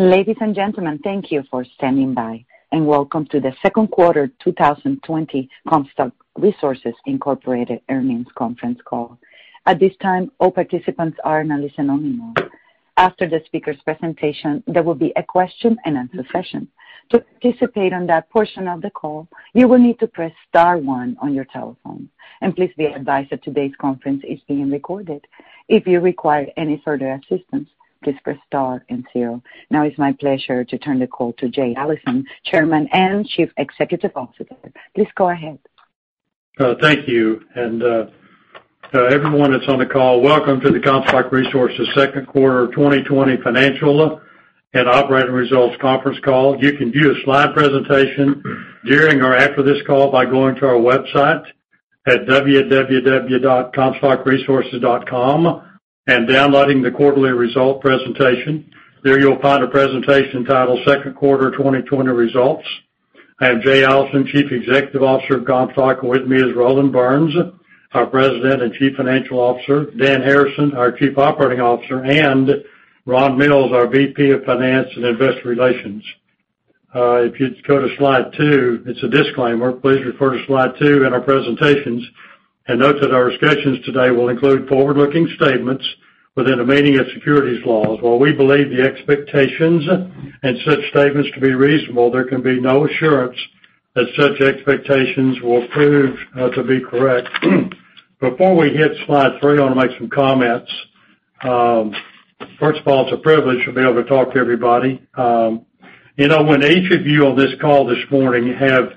Ladies and gentlemen, thank you for standing by, and welcome to the Second Quarter 2020 Comstock Resources Incorporated Earnings Conference Call. At this time, all participants are in a listen-only mode. After the speaker's presentation, there will be a question and answer session. To participate in that portion of the call, you will need to press star one on your telephone, and please be advised that today's conference is being recorded. If you require any further assistance, please press star and zero. Now it's my pleasure to turn the call to Jay Allison, Chairman and Chief Executive Officer. Please go ahead. Thank you, and everyone that's on the call, welcome to the Comstock Resources second quarter 2020 financial and operating results conference call. You can view a slide presentation during or after this call by going to our website at www.comstockresources.com and downloading the quarterly result presentation. There you'll find a presentation titled "Second Quarter 2020 Results." I am Jay Allison, Chief Executive Officer of Comstock. With me is Roland Burns, our President and Chief Financial Officer, Dan Harrison, our Chief Operating Officer, and Ron Mills, our VP of Finance and Investor Relations. If you'd go to slide two, it's a disclaimer. Please refer to slide two in our presentations and note that our discussions today will include forward-looking statements within the meaning of securities laws. While we believe the expectations and such statements to be reasonable, there can be no assurance that such expectations will prove to be correct. Before we hit slide three, I want to make some comments. First of all, it's a privilege to be able to talk to everybody. When each of you on this call this morning have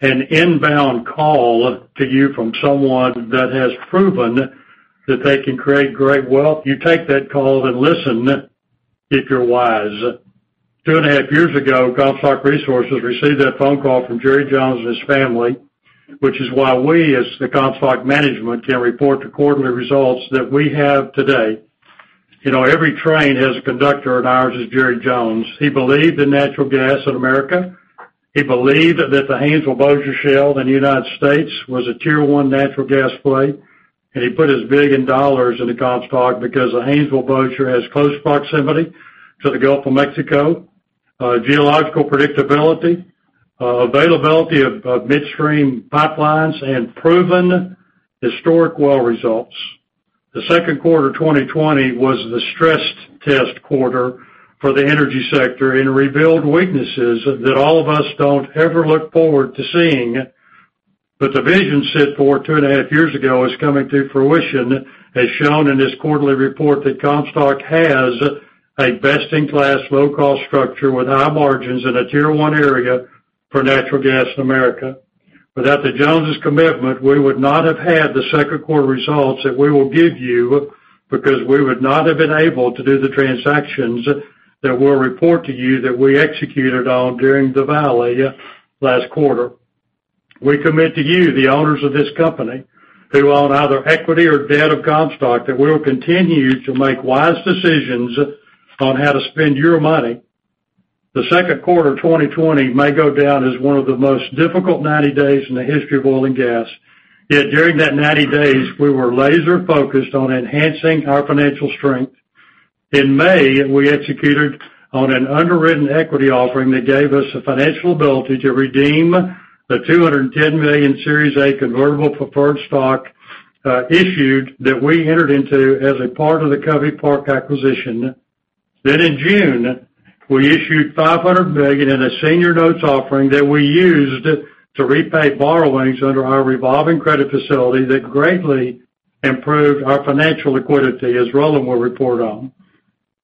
an inbound call to you from someone that has proven that they can create great wealth, you take that call and listen if you're wise. Two and a half years ago, Comstock Resources received that phone call from Jerry Jones and his family, which is why we, as the Comstock management, can report the quarterly results that we have today. Every train has a conductor, and ours is Jerry Jones. He believed in natural gas in America. He believed that the Haynesville-Bossier Shale in the U.S. was a Tier 1 natural gas play. He put his $1 billion into Comstock because the Haynesville-Bossier has close proximity to the Gulf of Mexico, geological predictability, availability of midstream pipelines, and proven historic well results. The second quarter 2020 was the stress test quarter for the energy sector and revealed weaknesses that all of us don't ever look forward to seeing. The vision set forth two and a half years ago is coming to fruition, as shown in this quarterly report that Comstock has a best-in-class low-cost structure with high margins in a Tier 1 area for natural gas in America. Without the Joneses' commitment, we would not have had the second quarter results that we will give you because we would not have been able to do the transactions that we'll report to you that we executed on during the valley last quarter. We commit to you, the owners of this company, who own either equity or debt of Comstock, that we will continue to make wise decisions on how to spend your money. The second quarter 2020 may go down as one of the most difficult 90 days in the history of oil and gas. Yet during that 90 days, we were laser-focused on enhancing our financial strength. In May, we executed on an underwritten equity offering that gave us the financial ability to redeem the $210 million Series A Convertible Preferred Stock issued that we entered into as a part of the Covey Park acquisition. In June, we issued $500 million in a senior notes offering that we used to repay borrowings under our revolving credit facility that greatly improved our financial liquidity, as Roland will report on.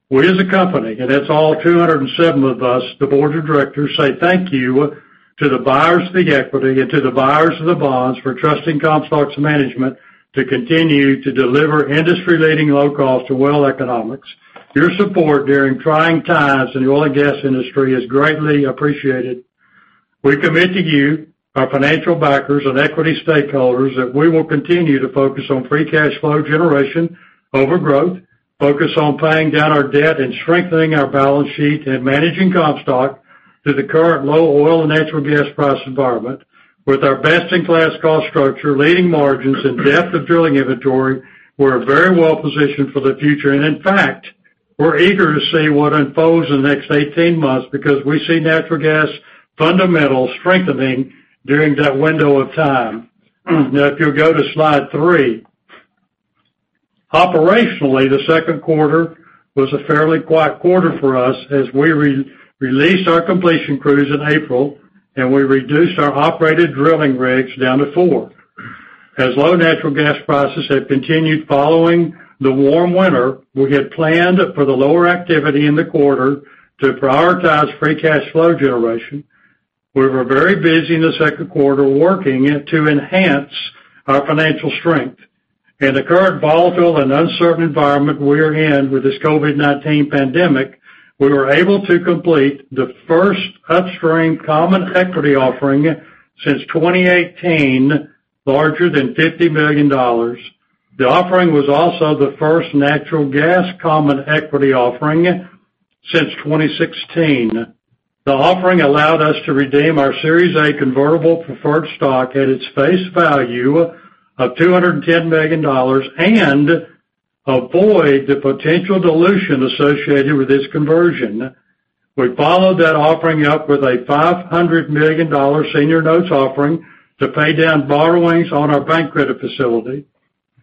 We as a company, and that's all 207 of us, the Board of Directors, say thank you to the buyers of the equity and to the buyers of the bonds for trusting Comstock's management to continue to deliver industry-leading low cost to well economics. Your support during trying times in the oil and gas industry is greatly appreciated. We commit to you, our financial backers and equity stakeholders, that we will continue to focus on free cash flow generation over growth, focus on paying down our debt and strengthening our balance sheet and managing Comstock through the current low oil and natural gas price environment. With our best-in-class cost structure, leading margins, and depth of drilling inventory, we're very well-positioned for the future. In fact, we're eager to see what unfolds in the next 18 months because we see natural gas fundamentals strengthening during that window of time. If you'll go to slide three. Operationally, the second quarter was a fairly quiet quarter for us as we released our completion crews in April, and we reduced our operated drilling rigs down to four. Low natural gas prices have continued following the warm winter, we had planned for the lower activity in the quarter to prioritize free cash flow generation. We were very busy in the second quarter working to enhance our financial strength. In the current volatile and uncertain environment we are in with this COVID-19 pandemic, we were able to complete the first upstream common equity offering since 2018 larger than $50 million. The offering was also the first natural gas common equity offering since 2016. The offering allowed us to redeem our Series A Convertible Preferred Stock at its face value of $210 million and avoid the potential dilution associated with this conversion. We followed that offering up with a $500 million senior notes offering to pay down borrowings on our bank credit facility.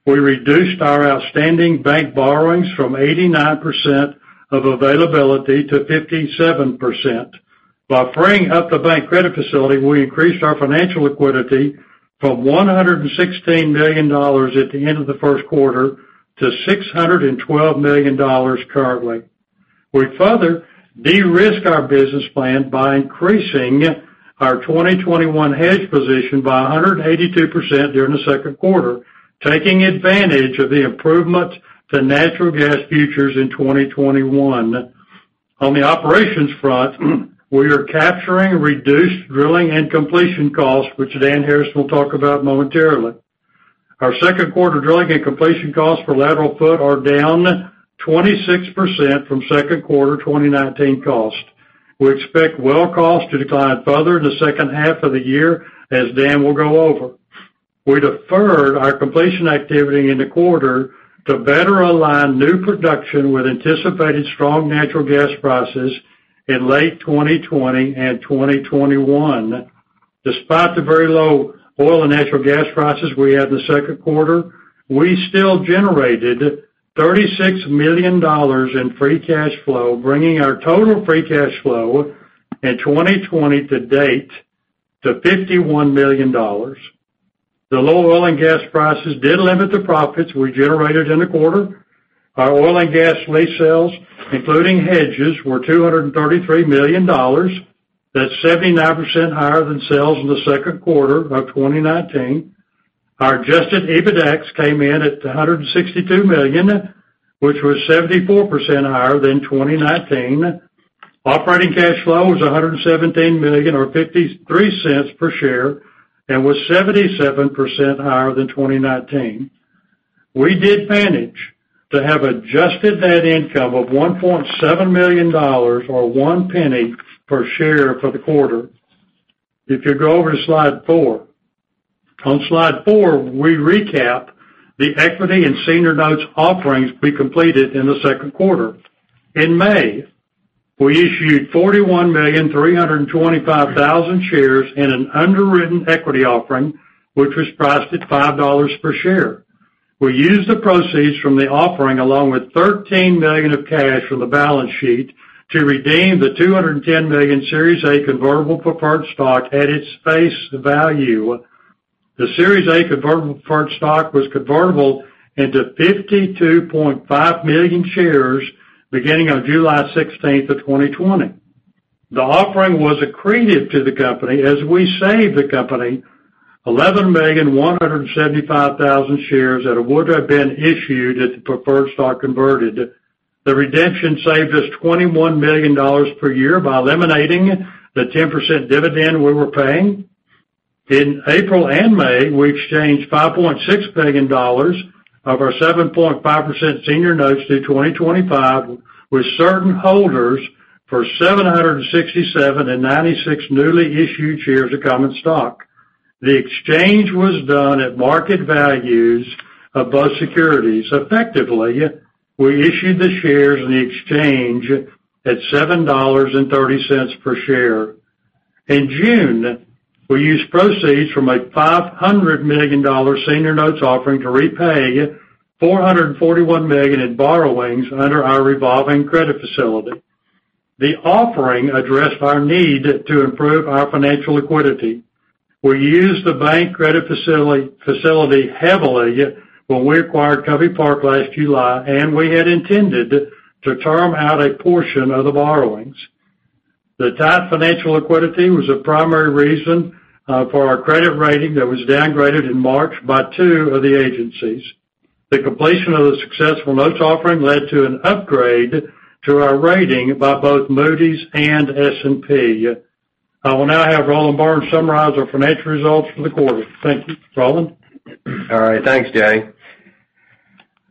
We reduced our outstanding bank borrowings from 89% of availability to 57%. By freeing up the bank credit facility, we increased our financial liquidity from $116 million at the end of the first quarter to $612 million currently. We further de-risked our business plan by increasing our 2021 hedge position by 182% during the second quarter, taking advantage of the improvements to natural gas futures in 2021. On the operations front, we are capturing reduced drilling and completion costs, which Dan Harrison will talk about momentarily. Our second quarter drilling and completion costs per lateral foot are down 26% from second quarter 2019 costs. We expect well costs to decline further in the second half of the year, as Dan will go over. We deferred our completion activity in the quarter to better align new production with anticipated strong natural gas prices in late 2020 and 2021. Despite the very low oil and natural gas prices we had in the second quarter, we still generated $36 million in free cash flow, bringing our total free cash flow in 2020 to date to $51 million. The low oil and gas prices did limit the profits we generated in the quarter. Our oil and gas lease sales, including hedges, were $233 million. That's 79% higher than sales in the second quarter of 2019. Our adjusted EBITDAX came in at $162 million, which was 74% higher than 2019. Operating cash flow was $117 million, or $0.53 per share, and was 77% higher than 2019. We did manage to have adjusted net income of $1.7 million or $0.01 per share for the quarter. If you go over to slide four. On slide four, we recap the equity in senior notes offerings we completed in the second quarter. In May, we issued 41,325,000 shares in an underwritten equity offering, which was priced at $5 per share. We used the proceeds from the offering, along with $13 million of cash from the balance sheet, to redeem the $210 million Series A Convertible Preferred Stock at its face value. The Series A Convertible Preferred Stock was convertible into 52.5 million shares beginning on July 16th of 2020. The offering was accretive to the company as we saved the company 11,175,000 shares that would have been issued if the preferred stock converted. The redemption saved us $21 million per year by eliminating the 10% dividend we were paying. In April and May, we exchanged $5.6 million of our 7.5% senior notes due 2025 with certain holders for 767,096 newly issued shares of common stock. Effectively, we issued the shares in the exchange at $7.30 per share. In June, we used proceeds from a $500 million senior notes offering to repay $441 million in borrowings under our revolving credit facility. The offering addressed our need to improve our financial liquidity. We used the bank credit facility heavily when we acquired Covey Park last July, and we had intended to term out a portion of the borrowings. The tight financial liquidity was a primary reason for our credit rating that was downgraded in March by two of the agencies. The completion of the successful notes offering led to an upgrade to our rating by both Moody's and S&P. I will now have Roland Burns summarize our financial results for the quarter. Thank you. Roland? All right. Thanks, Jay.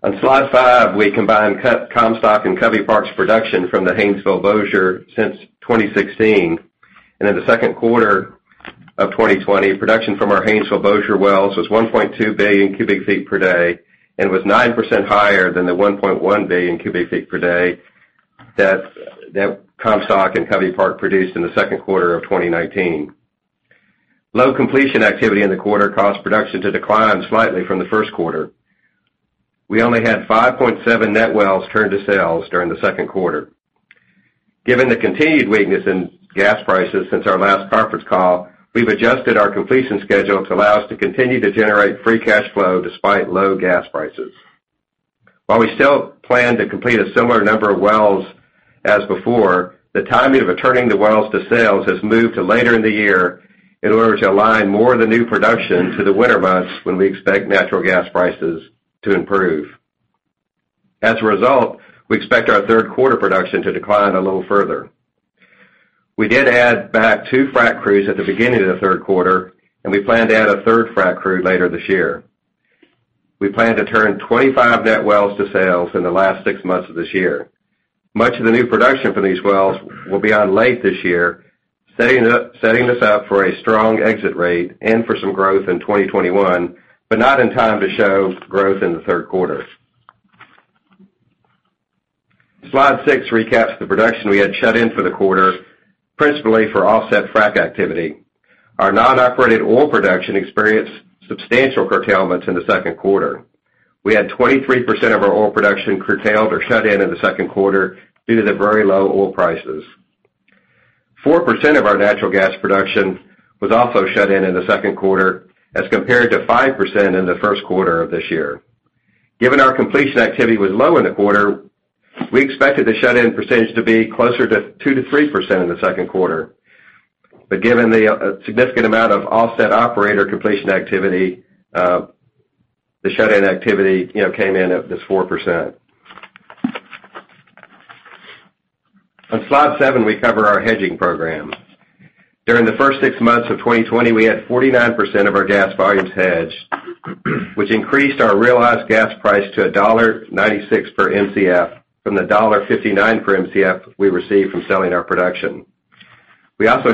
On slide five, we combine Comstock and Covey Park's production from the Haynesville Bossier since 2016. In the second quarter of 2020, production from our Haynesville Bossier wells was 1.2 billion cubic feet per day and was 9% higher than the 1.1 billion cubic feet per day that Comstock and Covey Park produced in the second quarter of 2019. Low completion activity in the quarter caused production to decline slightly from the first quarter. We only had 5.7 net wells turned to sales during the second quarter. Given the continued weakness in gas prices since our last conference call, we've adjusted our completion schedule to allow us to continue to generate free cash flow despite low gas prices. While we still plan to complete a similar number of wells as before, the timing of turning the wells to sales has moved to later in the year in order to align more of the new production to the winter months when we expect natural gas prices to improve. As a result, we expect our third quarter production to decline a little further. We did add back two frac crews at the beginning of the third quarter, and we plan to add a third frac crew later this year. We plan to turn 25 net wells to sales in the last six months of this year. Much of the new production from these wells will be on late this year, setting us up for a strong exit rate and for some growth in 2021, but not in time to show growth in the third quarter. Slide six recaps the production we had shut in for the quarter, principally for offset frac activity. Our non-operated oil production experienced substantial curtailments in the second quarter. We had 23% of our oil production curtailed or shut in the second quarter due to the very low oil prices. 4% of our natural gas production was also shut in the second quarter as compared to 5% in the first quarter of this year. Given our completion activity was low in the quarter, we expected the shut-in percentage to be closer to 2%-3% in the second quarter. Given the significant amount of offset operator completion activity, the shut-in activity came in at this 4%. On slide seven, we cover our hedging program. During the first six months of 2020, we had 49% of our gas volumes hedged, which increased our realized gas price to $1.96 per Mcf from the $1.59 per Mcf we received from selling our production. That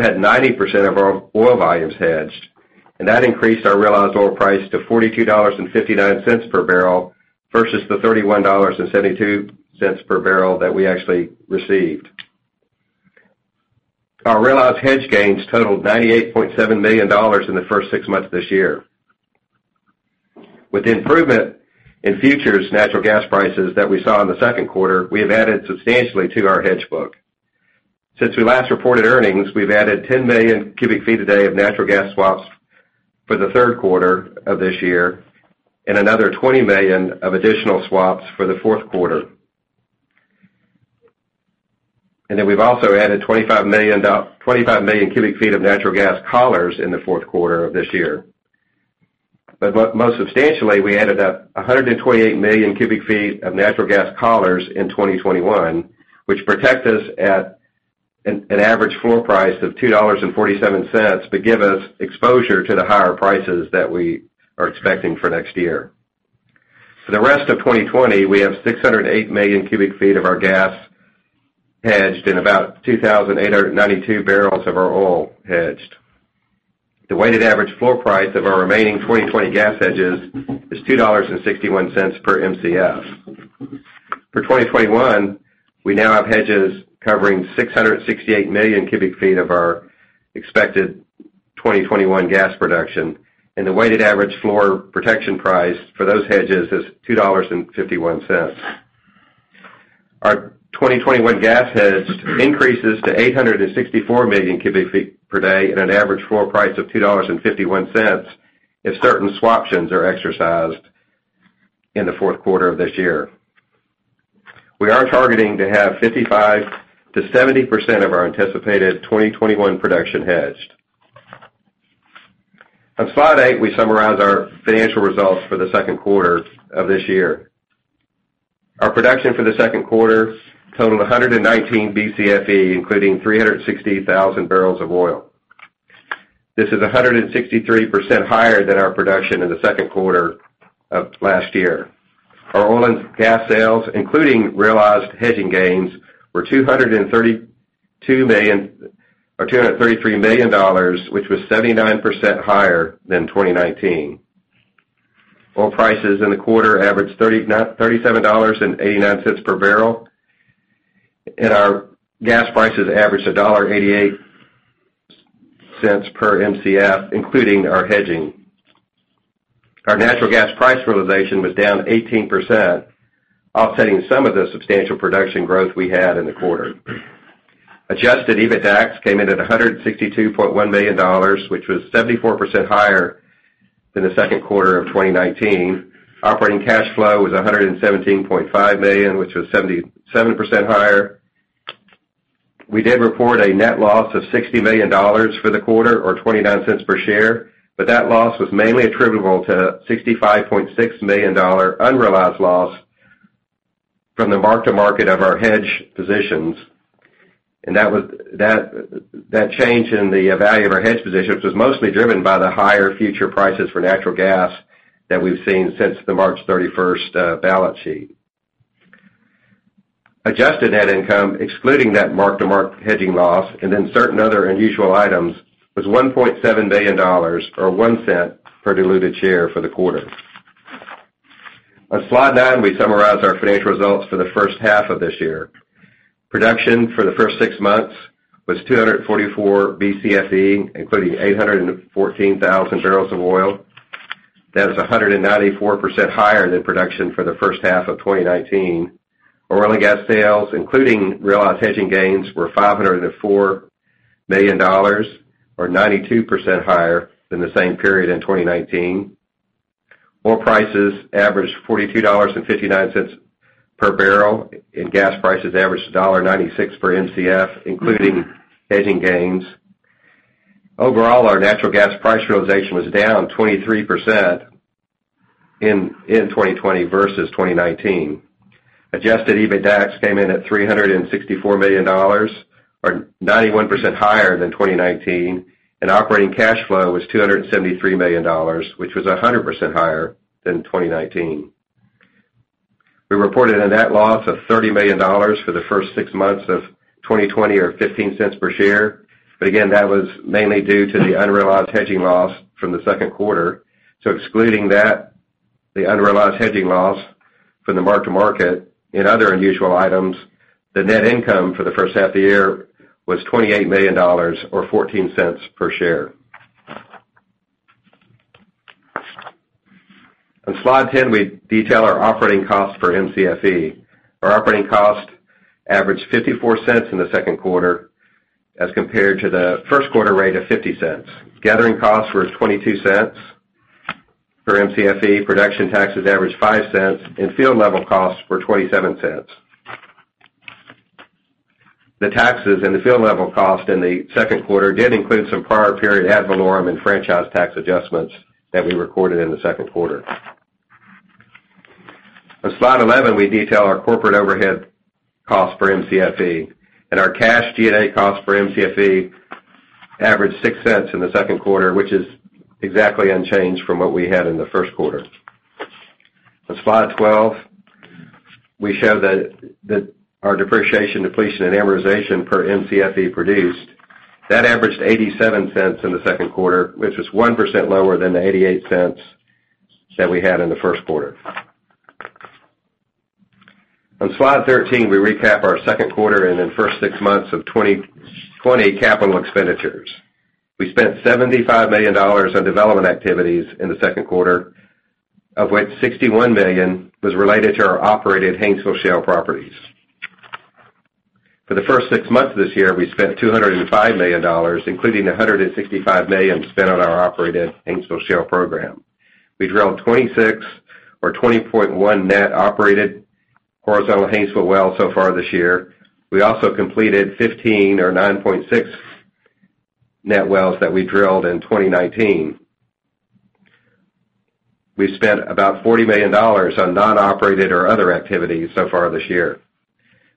increased our realized oil price to $42.59 per barrel versus the $31.72 per barrel that we actually received. Our realized hedge gains totaled $98.7 million in the first six months this year. With the improvement in futures natural gas prices that we saw in the second quarter, we have added substantially to our hedge book. Since we last reported earnings, we've added 10 million cubic feet a day of natural gas swaps for the third quarter of this year and another 20 million of additional swaps for the fourth quarter. We've also added 25 million cubic feet of natural gas collars in the fourth quarter of this year. Most substantially, we added up 128 million cubic feet of natural gas collars in 2021, which protect us at an average floor price of $2.47, but give us exposure to the higher prices that we are expecting for next year. For the rest of 2020, we have 608 million cubic feet of our gas hedged and about 2,892 barrels of our oil hedged. The weighted average floor price of our remaining 2020 gas hedges is $2.61 per Mcf. For 2021, we now have hedges covering 668 million cubic feet of our expected 2021 gas production, and the weighted average floor protection price for those hedges is $2.51. Our 2021 gas hedge increases to 864 million cubic feet per day at an average floor price of $2.51 if certain swaptions are exercised in the fourth quarter of this year. We are targeting to have 55%-70% of our anticipated 2021 production hedged. On slide eight, we summarize our financial results for the second quarter of this year. Our production for the second quarter totaled 119 BCFE, including 360,000 barrels of oil. This is 163% higher than our production in the second quarter of last year. Our oil and gas sales, including realized hedging gains, were $233 million, which was 79% higher than 2019. Oil prices in the quarter averaged $37.89 per barrel. Our gas prices averaged $1.88 per Mcf, including our hedging. Our natural gas price realization was down 18%, offsetting some of the substantial production growth we had in the quarter. Adjusted EBITDAX came in at $162.1 million, which was 74% higher than the second quarter of 2019. Operating cash flow was $117.5 million, which was 77% higher. We did report a net loss of $60 million for the quarter, or $0.29 per share, that loss was mainly attributable to $65.6 million unrealized loss from the mark-to-market of our hedge positions. That change in the value of our hedge positions was mostly driven by the higher future prices for natural gas that we've seen since the March 31st balance sheet. Adjusted net income, excluding net mark-to-market hedging loss and then certain other unusual items, was $1.7 million or $0.01 per diluted share for the quarter. On slide nine, we summarize our financial results for the first half of this year. Production for the first six months was 244 BCFE, including 814,000 barrels of oil. That is 194% higher than production for the first half of 2019. Oil and gas sales, including realized hedging gains, were $504 million or 92% higher than the same period in 2019. Oil prices averaged $42.59 per barrel, and gas prices averaged $1.96 per Mcf, including hedging gains. Overall, our natural gas price realization was down 23% in 2020 versus 2019. Adjusted EBITDAX came in at $364 million, or 91% higher than 2019, and operating cash flow was $273 million, which was 100% higher than 2019. We reported a net loss of $30 million for the first six months of 2020, or $0.15 per share. Again, that was mainly due to the unrealized hedging loss from the second quarter. Excluding that, the unrealized hedging loss from the mark-to-market and other unusual items, the net income for the first half of the year was $28 million or $0.14 per share. On slide 10, we detail our operating cost per Mcfe. Our operating cost averaged $0.54 in the second quarter as compared to the first quarter rate of $0.50. Gathering costs were $0.22 per Mcfe. Production taxes averaged $0.05, and field level costs were $0.27. The taxes and the field level cost in the second quarter did include some prior period ad valorem and franchise tax adjustments that we recorded in the second quarter. On slide 11, we detail our corporate overhead cost per Mcfe, and our cash G&A cost per Mcfe averaged $0.06 in the second quarter, which is exactly unchanged from what we had in the first quarter. On slide 12, we show that our depreciation, depletion, and amortization per Mcfe produced. That averaged $0.87 in the second quarter, which is 1% lower than the $0.88 that we had in the first quarter. On slide 13, we recap our second quarter and first six months of 2020 capital expenditures. We spent $75 million on development activities in the second quarter, of which $61 million was related to our operated Haynesville Shale properties. For the first six months of this year, we spent $205 million, including $165 million spent on our operated Haynesville Shale program. We drilled 26 or 20.1 net operated horizontal Haynesville wells so far this year. We also completed 15 or 9.6 net wells that we drilled in 2019. We spent about $40 million on non-operated or other activities so far this year.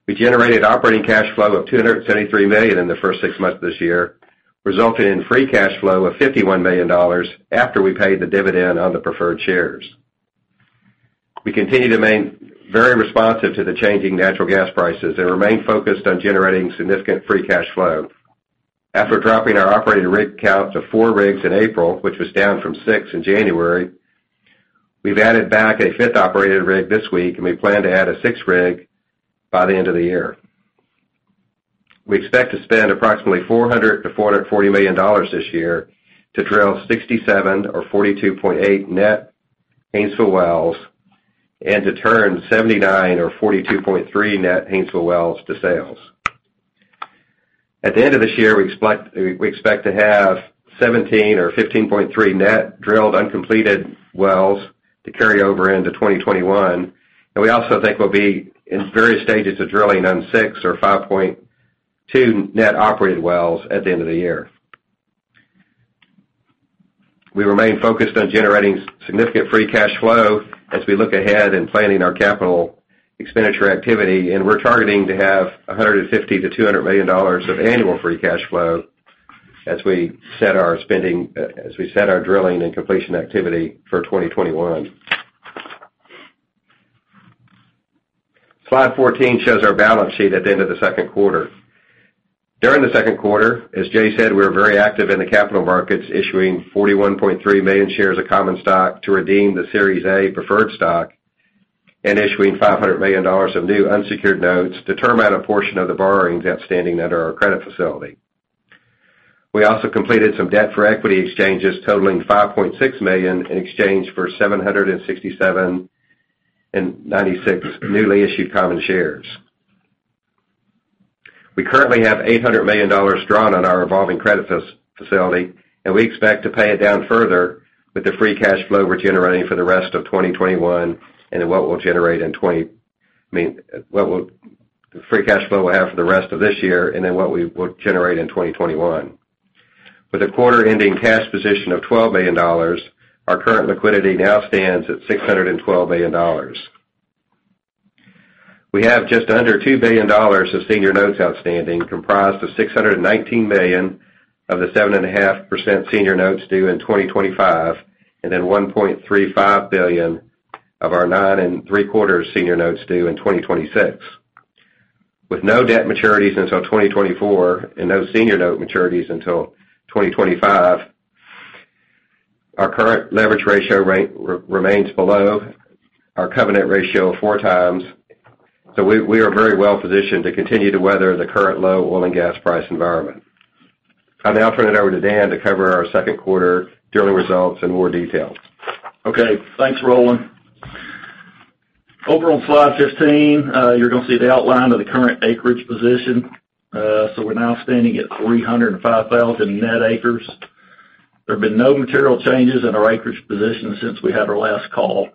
We generated operating cash flow of $273 million in the first six months of this year, resulting in free cash flow of $51 million after we paid the dividend on the preferred shares. We continue to remain very responsive to the changing natural gas prices and remain focused on generating significant free cash flow. After dropping our operating rig count to four rigs in April, which was down from six in January, we've added back a fifth operated rig this week, and we plan to add a sixth rig by the end of the year. We expect to spend approximately $400 million-$440 million this year to drill 67 or 42.8 net Haynesville wells and to turn 79 or 42.3 net Haynesville wells to sales. At the end of this year, we expect to have 17 or 15.3 net drilled uncompleted wells to carry over into 2021, and we also think we'll be in various stages of drilling on six or 5.2 net operated wells at the end of the year. We remain focused on generating significant free cash flow as we look ahead in planning our capital expenditure activity, and we're targeting to have $150 million-$200 million of annual free cash flow as we set our spending, as we set our drilling and completion activity for 2021. Slide 14 shows our balance sheet at the end of the second quarter. During the second quarter, as Jay said, we were very active in the capital markets, issuing 41.3 million shares of common stock to redeem the Series A preferred stock and issuing $500 million of new unsecured notes to term out a portion of the borrowings outstanding under our credit facility. We also completed some debt for equity exchanges totaling $5.6 million in exchange for 767,096 newly issued common shares. We currently have $800 million drawn on our revolving credit facility, and we expect to pay it down further with the free cash flow we'll have for the rest of this year, and then what we will generate in 2021. With a quarter-ending cash position of $12 million, our current liquidity now stands at $612 million. We have just under $2 billion of senior notes outstanding, comprised of $619 million of the 7.5% senior notes due in 2025, $1.35 billion of our 9.75% senior notes due in 2026. With no debt maturities until 2024 and no senior note maturities until 2025, our current leverage ratio remains below our covenant ratio of four times, we are very well positioned to continue to weather the current low oil and gas price environment. I'll now turn it over to Dan to cover our second quarter quarterly results in more detail. Okay. Thanks, Roland. Over on slide 15, you're going to see the outline of the current acreage position. We're now standing at 305,000 net acres. There have been no material changes in our acreage position since we had our last call.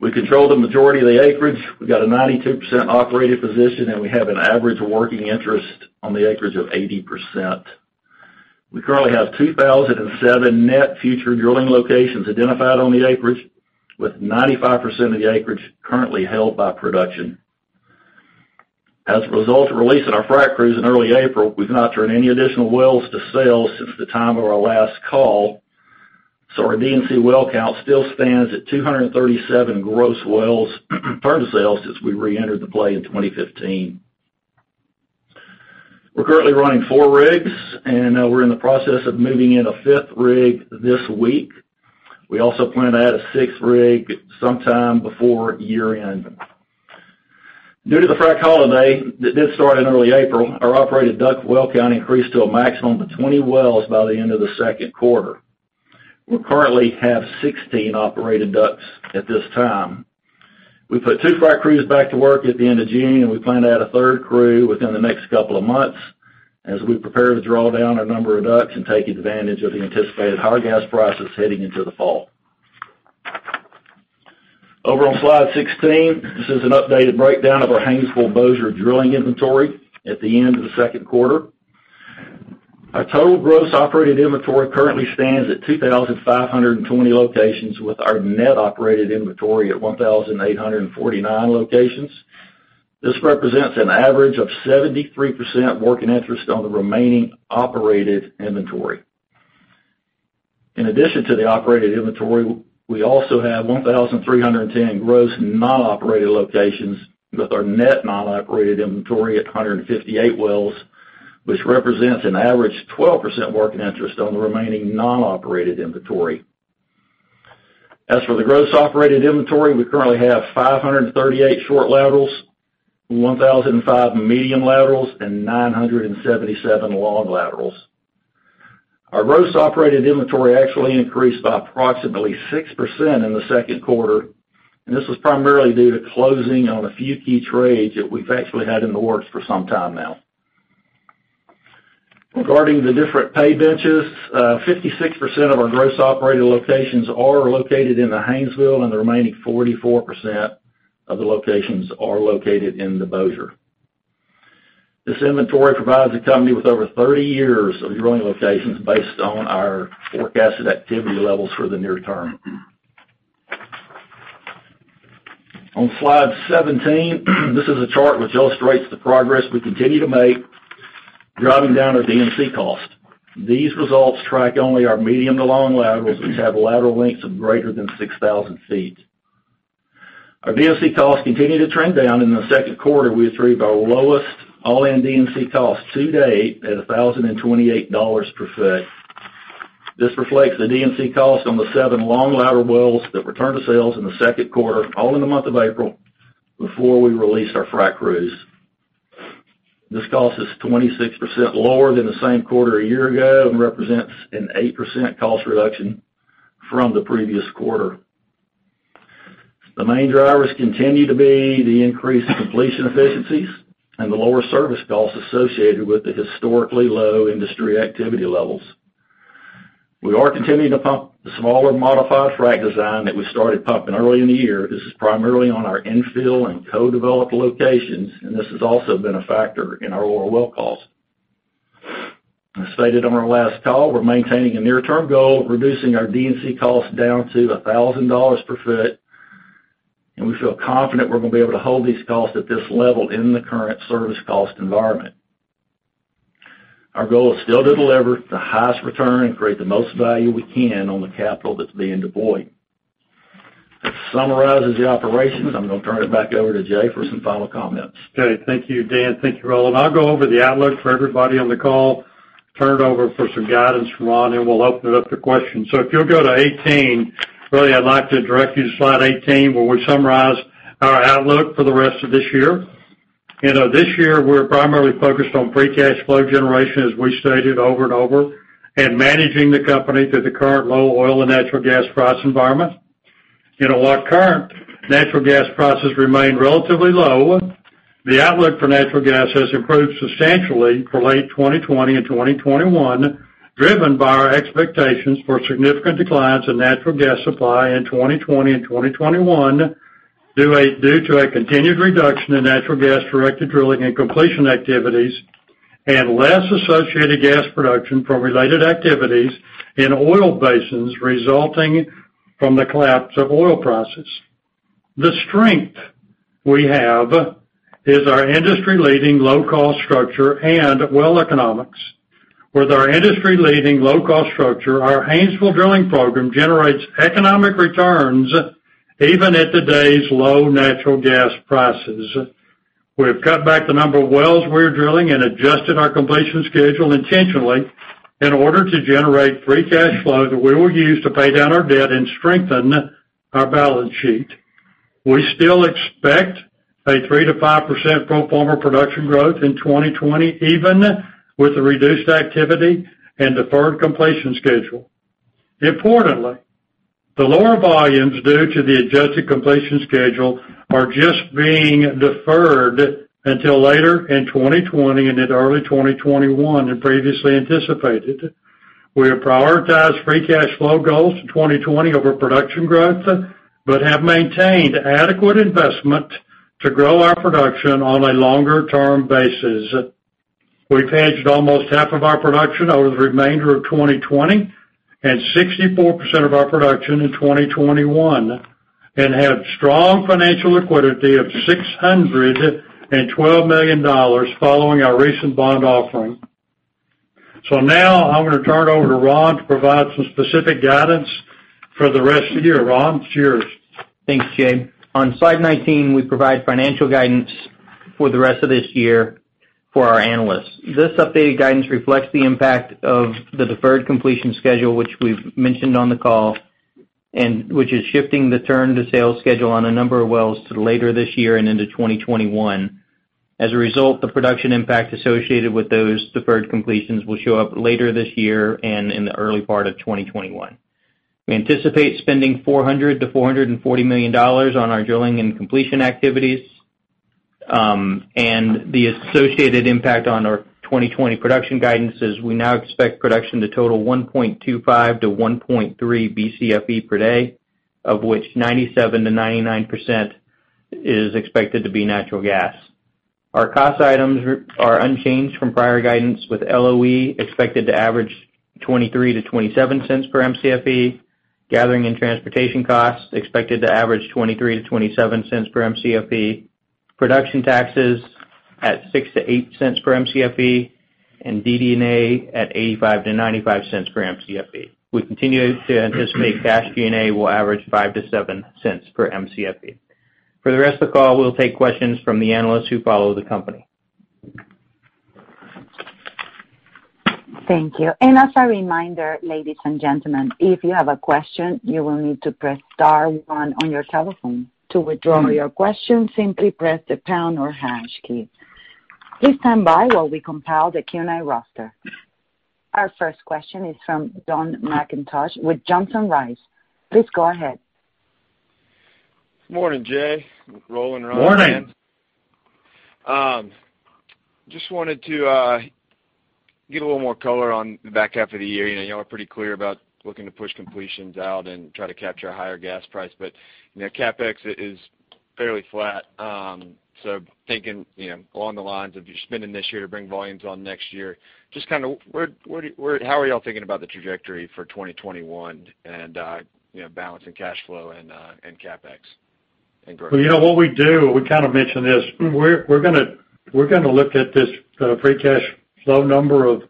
We control the majority of the acreage. We got a 92% operated position, and we have an average working interest on the acreage of 80%. We currently have 2,007 net future drilling locations identified on the acreage, with 95% of the acreage currently held by production. As a result of releasing our frac crews in early April, we've not turned any additional wells to sales since the time of our last call. Our D&C well count still stands at 237 gross wells turned to sales since we reentered the play in 2015. We're currently running four rigs, and we're in the process of moving in a fifth rig this week. We also plan to add a sixth rig sometime before year-end. Due to the frac holiday that did start in early April, our operated DUC well count increased to a maximum of 20 wells by the end of the second quarter. We currently have 16 operated DUCs at this time. We put two frac crews back to work at the end of June, and we plan to add a third crew within the next couple of months, as we prepare to draw down our number of DUCs and take advantage of the anticipated higher gas prices heading into the fall. Over on slide 16, this is an updated breakdown of our Haynesville-Bossier drilling inventory at the end of the second quarter. Our total gross operated inventory currently stands at 2,520 locations, with our net operated inventory at 1,849 locations. This represents an average of 73% working interest on the remaining operated inventory. In addition to the operated inventory, we also have 1,310 gross non-operated locations, with our net non-operated inventory at 158 wells, which represents an average 12% working interest on the remaining non-operated inventory. As for the gross operated inventory, we currently have 538 short laterals, 1,005 medium laterals, and 977 long laterals. Our gross operated inventory actually increased by approximately 6% in the second quarter, and this was primarily due to closing on a few key trades that we've actually had in the works for some time now. Regarding the different pay benches, 56% of our gross operated locations are located in the Haynesville, and the remaining 44% of the locations are located in the Bossier. This inventory provides the company with over 30 years of drilling locations based on our forecasted activity levels for the near term. On slide 17, this is a chart which illustrates the progress we continue to make driving down our D&C cost. These results track only our medium to long laterals, which have lateral lengths of greater than 6,000 feet. Our D&C costs continued to trend down in the second quarter, we achieved our lowest all-in D&C cost to date at $1,028 per foot. This reflects the D&C cost on the seven long lateral wells that were turned to sales in the second quarter, all in the month of April, before we released our frac crews. This cost is 26% lower than the same quarter a year ago and represents an 8% cost reduction from the previous quarter. The main drivers continue to be the increased completion efficiencies and the lower service costs associated with the historically low industry activity levels. We are continuing to pump the smaller modified frac design that we started pumping early in the year. This is primarily on our infill and co-developed locations, and this has also been a factor in our lower well costs. As stated on our last call, we're maintaining a near-term goal of reducing our D&C costs down to $1,000 per foot, and we feel confident we're going to be able to hold these costs at this level in the current service cost environment. Our goal is still to deliver the highest return and create the most value we can on the capital that's being deployed. That summarizes the operations. I'm going to turn it back over to Jay for some final comments. Okay. Thank you, Dan. Thank you, Roland. I'll go over the outlook for everybody on the call, turn it over for some guidance from Ron, and we'll open it up to questions. If you'll go to 18. Really, I'd like to direct you to slide 18, where we summarize our outlook for the rest of this year. This year, we're primarily focused on free cash flow generation, as we stated over and over, and managing the company through the current low oil and natural gas price environment. While current natural gas prices remain relatively low, the outlook for natural gas has improved substantially for late 2020 and 2021, driven by our expectations for significant declines in natural gas supply in 2020 and 2021 due to a continued reduction in natural gas-directed drilling and completion activities and less associated gas production from related activities in oil basins resulting from the collapse of oil prices. The strength we have is our industry-leading low-cost structure and well economics. With our industry-leading low-cost structure, our Haynesville drilling program generates economic returns even at today's low natural gas prices. We've cut back the number of wells we're drilling and adjusted our completion schedule intentionally in order to generate free cash flow that we will use to pay down our debt and strengthen our balance sheet. We still expect a 3%-5% pro forma production growth in 2020, even with the reduced activity and deferred completion schedule. Importantly, the lower volumes due to the adjusted completion schedule are just being deferred until later in 2020 and into early 2021 than previously anticipated. We have prioritized free cash flow goals for 2020 over production growth, but have maintained adequate investment to grow our production on a longer-term basis. We've hedged almost half of our production over the remainder of 2020 and 64% of our production in 2021, and have strong financial liquidity of $612 million following our recent bond offering. Now I'm going to turn it over to Ron to provide some specific guidance for the rest of the year. Ron, it's yours. Thanks, Jay. On slide 19, we provide financial guidance for the rest of this year for our analysts. This updated guidance reflects the impact of the deferred completion schedule, which we've mentioned on the call, and which is shifting the turn to sales schedule on a number of wells to later this year and into 2021. As a result, the production impact associated with those deferred completions will show up later this year and in the early part of 2021. We anticipate spending $400 million-$440 million on our drilling and completion activities. The associated impact on our 2020 production guidance is we now expect production to total 1.25-1.3 BCFE per day, of which 97%-99% is expected to be natural gas. Our cost items are unchanged from prior guidance, with LOE expected to average $0.23-$0.27 per Mcfe, gathering and transportation costs expected to average $0.23-$0.27 per Mcfe, production taxes at $0.06-$0.08 per Mcfe, and DD&A at $0.85-$0.95 per Mcfe. We continue to anticipate cash G&A will average $0.05-$0.07 per Mcfe. For the rest of the call, we'll take questions from the analysts who follow the company. Thank you. As a reminder, ladies and gentlemen, if you have a question, you will need to press star one on your telephone. To withdraw your question, simply press the pound or hash key. Please stand by while we compile the Q&A roster. Our first question is from Dun McIntosh with Johnson Rice. Please go ahead. Morning, Jay. Rollin' around at the end. Morning. Just wanted to get a little more color on the back half of the year. You all are pretty clear about looking to push completions out and try to capture a higher gas price. CapEx is fairly flat. Thinking along the lines of you're spending this year to bring volumes on next year, just how are you all thinking about the trajectory for 2021 and balancing cash flow and CapEx and growth? What we do, and we kind of mentioned this, we're going to look at this free cash flow number of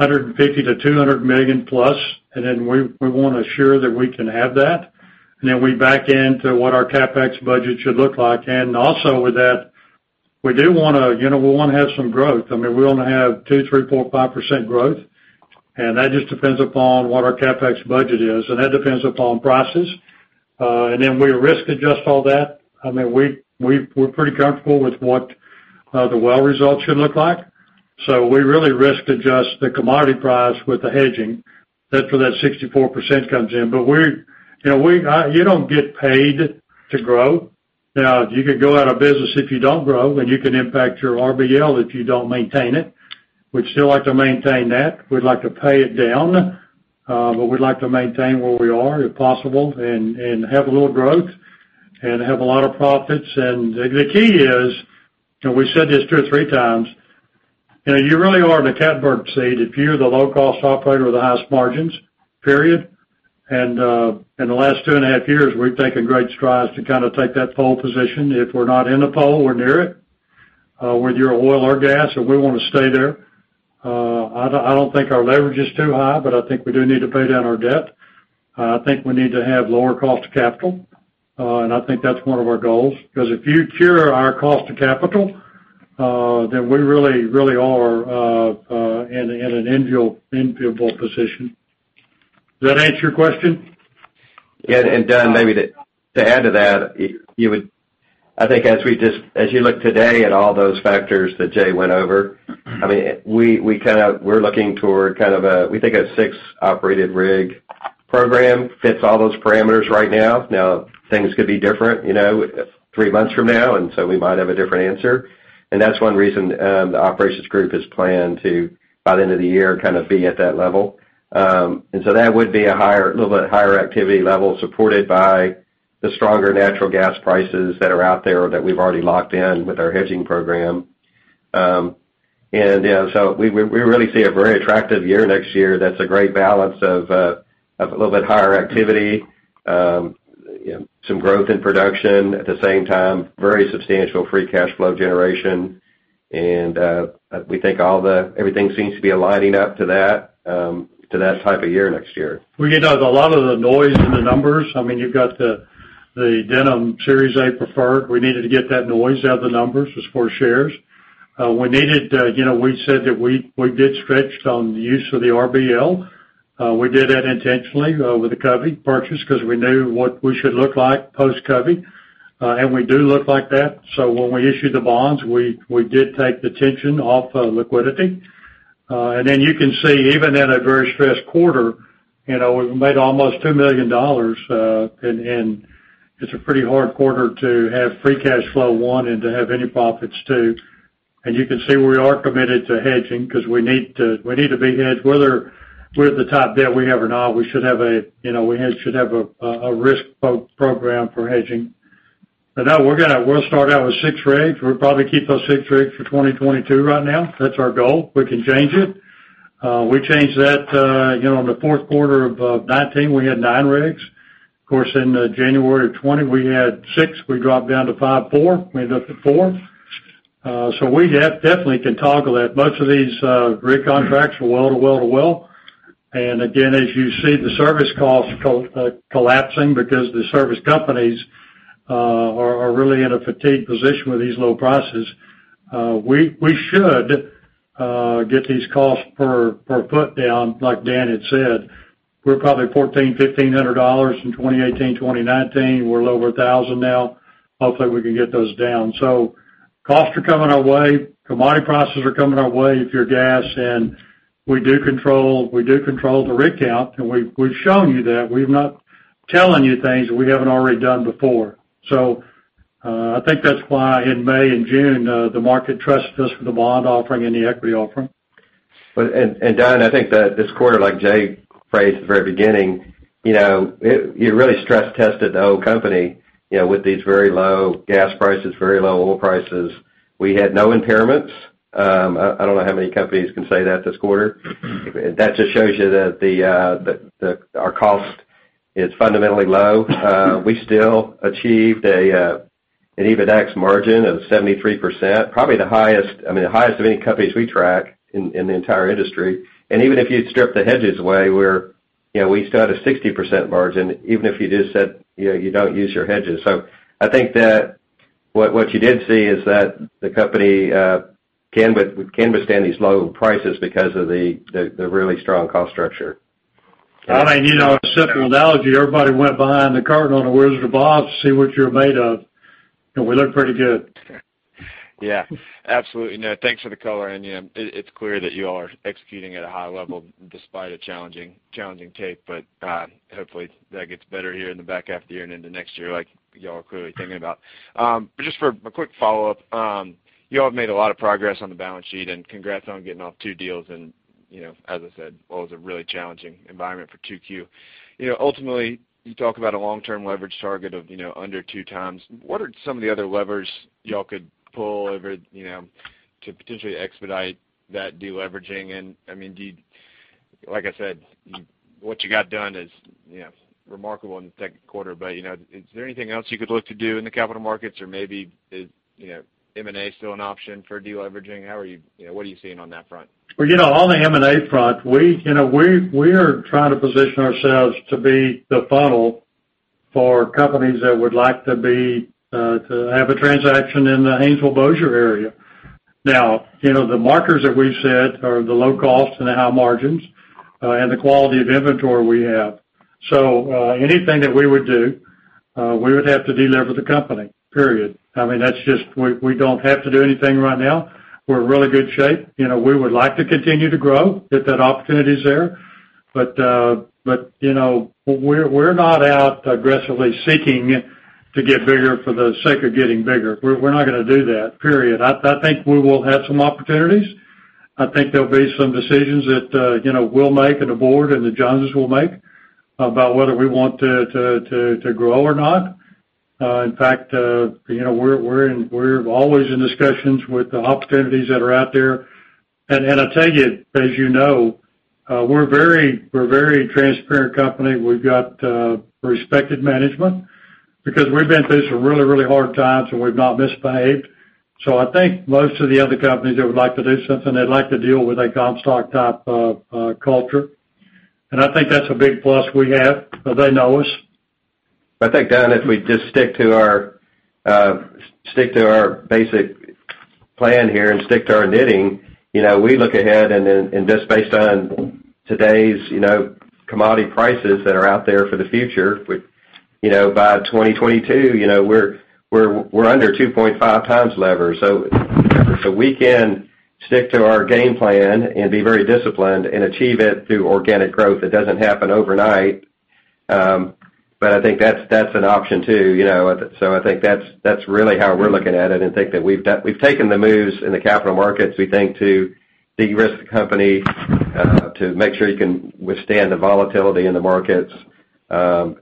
$150 million-$200 million plus, and then we want to assure that we can have that. Then we back into what our CapEx budget should look like. Also with that, we do want to have some growth. We want to have 2%, 3%, 4%, 5% growth, and that just depends upon what our CapEx budget is, and that depends upon prices. Then we risk-adjust all that. We're pretty comfortable with what the well results should look like. We really risk-adjust the commodity price with the hedging. That's where that 64% comes in. You don't get paid to grow. Now, you could go out of business if you don't grow, and you can impact your RBL if you don't maintain it. We'd still like to maintain that. We'd like to pay it down, but we'd like to maintain where we are if possible and have a little growth and have a lot of profits. The key is, we've said this two or three times, you really are in a catbird seat if you're the low-cost operator with the highest margins, period. In the last two and a half years, we've taken great strides to kind of take that pole position. If we're not in the pole, we're near it, whether you're oil or gas, and we want to stay there. I don't think our leverage is too high, but I think we do need to pay down our debt. I think we need to have lower cost of capital, and I think that's one of our goals because if you cure our cost of capital, then we really are in an enviable position. Does that answer your question? Dun, maybe to add to that, I think as you look today at all those factors that Jay went over, we're looking toward a, we think a six-operated rig program fits all those parameters right now. Now, things could be different three months from now. We might have a different answer. That's one reason the operations group has planned to, by the end of the year, kind of be at that level. That would be a little bit higher activity level supported by the stronger natural gas prices that are out there or that we've already locked in with our hedging program. We really see a very attractive year next year that's a great balance of a little bit higher activity, some growth in production at the same time, very substantial free cash flow generation. We think everything seems to be aligning up to that type of year next year. We get out a lot of the noise in the numbers. You've got the Denham Series A preferred. We needed to get that noise out of the numbers as for shares. We said that we did stretch on the use of the RBL. We did that intentionally with the Covey purchase because we knew what we should look like post-Covey. We do look like that. When we issued the bonds, we did take the tension off liquidity. You can see even in a very stressed quarter, we've made almost $2 million. It's a pretty hard quarter to have free cash flow, one, and to have any profits, two. You can see we are committed to hedging because we need to be hedged, whether we're at the top bid we ever are not, we should have a risk program for hedging. We'll start out with six rigs. We'll probably keep those six rigs for 2022 right now. That's our goal. We can change it. We changed that. In the fourth quarter of 2019, we had nine rigs. Of course, in January of 2020 we had six. We dropped down to five, four. We ended up at four. We definitely can toggle that. Most of these rig contracts are well to well. Again, as you see, the service costs are collapsing because the service companies are really in a fatigued position with these low prices. We should get these costs per foot down, like Dan had said. We were probably $1,400, $1,500 in 2018, 2019. We're lower $1,000 now. Hopefully, we can get those down. Costs are coming our way. Commodity prices are coming our way if you're gas, and we do control the rig count, and we've shown you that. We're not telling you things that we haven't already done before. I think that's why in May and June, the market trusted us with the bond offering and the equity offering. Dun, I think that this quarter, like Jay phrased at the very beginning, you really stress-tested the whole company with these very low gas prices, very low oil prices. We had no impairments. I don't know how many companies can say that this quarter. That just shows you that our cost is fundamentally low. We still achieved an EBITDAX margin of 73%, probably the highest of any companies we track in the entire industry. Even if you strip the hedges away, we still had a 60% margin, even if you just said you don't use your hedges. I think that what you did see is that the company can withstand these low prices because of the really strong cost structure. I mean, to set the analogy, everybody went behind the curtain on "The Wizard of Oz" to see what you're made of, and we looked pretty good. Absolutely. No, thanks for the color-in. It's clear that you all are executing at a high level despite a challenging tape, but hopefully, that gets better here in the back half of the year and into next year like you all are clearly thinking about. Just for a quick follow-up, you all have made a lot of progress on the balance sheet, and congrats on getting off two deals in, as I said, what was a really challenging environment for 2Q. Ultimately, you talk about a long-term leverage target of under two times. What are some of the other levers you all could pull to potentially expedite that de-leveraging? Like I said, what you got done is remarkable in the second quarter. Is there anything else you could look to do in the capital markets, or maybe is M&A still an option for de-leveraging? What are you seeing on that front? On the M&A front, we are trying to position ourselves to be the funnel for companies that would like to have a transaction in the Haynesville Bossier area. The markers that we've set are the low cost and the high margins, and the quality of inventory we have. Anything that we would do, we would have to de-lever the company, period. We don't have to do anything right now. We're in really good shape. We would like to continue to grow if that opportunity's there. We're not out aggressively seeking to get bigger for the sake of getting bigger. We're not going to do that, period. I think we will have some opportunities. I think there'll be some decisions that we'll make, and the board, and the Joneses will make about whether we want to grow or not. In fact, we're always in discussions with the opportunities that are out there. I tell you, as you know, we're a very transparent company. We've got respected management, because we've been through some really hard times, and we've not misbehaved. I think most of the other companies that would like to do something, they'd like to deal with a Comstock type of culture. I think that's a big plus we have. They know us. I think, Dun, if we just stick to our basic plan here and stick to our knitting, we look ahead and just based on today's commodity prices that are out there for the future, by 2022, we're under 2.5 times lever. If we can stick to our game plan and be very disciplined and achieve it through organic growth, it doesn't happen overnight. I think that's an option, too. I think that's really how we're looking at it and think that we've taken the moves in the capital markets, we think, to de-risk the company, to make sure you can withstand the volatility in the markets.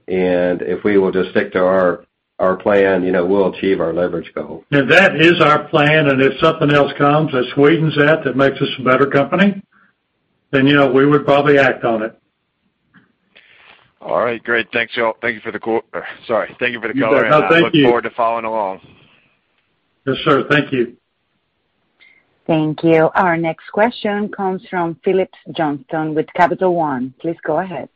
If we will just stick to our plan, we'll achieve our leverage goal. That is our plan. If something else comes that sweetens that makes us a better company, then we would probably act on it. All right. Great. Thanks you all. Thank you for the color. You bet. Thank you. I look forward to following along. Yes, sir. Thank you. Thank you. Our next question comes from Phillips Johnston with Capital One. Please go ahead.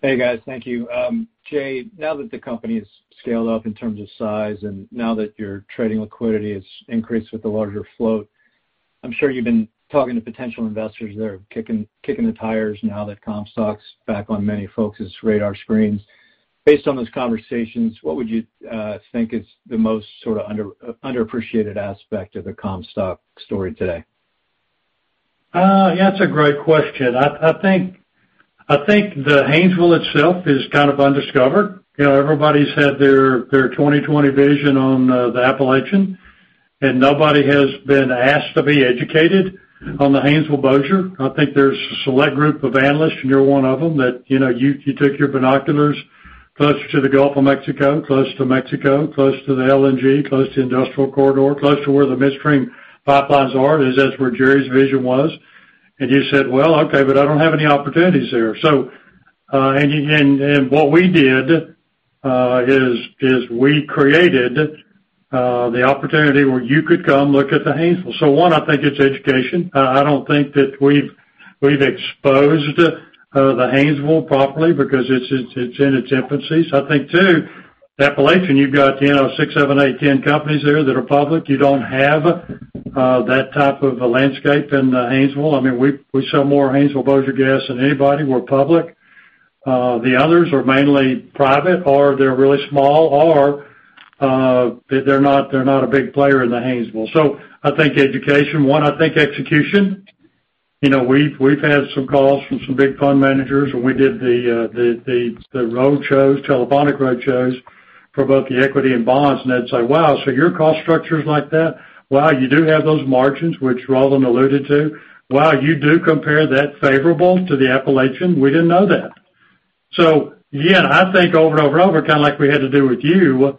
Hey, guys. Thank you. Jay, now that the company has scaled up in terms of size, and now that your trading liquidity has increased with the larger float, I'm sure you've been talking to potential investors that are kicking the tires now that Comstock's back on many folks' radar screens. Based on those conversations, what would you think is the most underappreciated aspect of the Comstock story today? Yeah, it's a great question. I think the Haynesville itself is kind of undiscovered. Everybody's had their 2020 vision on the Appalachian, and nobody has been asked to be educated on the Haynesville Bossier. I think there's a select group of analysts, and you're one of them, that you took your binoculars closer to the Gulf of Mexico, close to Mexico, close to the LNG, close to the industrial corridor, close to where the midstream pipelines are, as that's where Jerry's vision was. You said, "Well, okay, but I don't have any opportunities there." What we did, is we created the opportunity where you could come look at the Haynesville. One, I think it's education. I don't think that we've exposed the Haynesville properly because it's in its infancy. I think, two, Appalachian, you've got six, seven, eight, 10 companies there that are public. You don't have that type of a landscape in Haynesville. We sell more Haynesville Bossier gas than anybody. We're public. The others are mainly private, or they're really small, or they're not a big player in the Haynesville. I think education, one. I think execution. We've had some calls from some big fund managers, and we did the road shows, telephonic road shows for both the equity and bonds, and they'd say, "Wow, so your cost structure's like that? Wow, you do have those margins," which Roland alluded to. "Wow, you do compare that favorable to the Appalachian? We didn't know that. Yeah, I think over and over, kind of like we had to do with you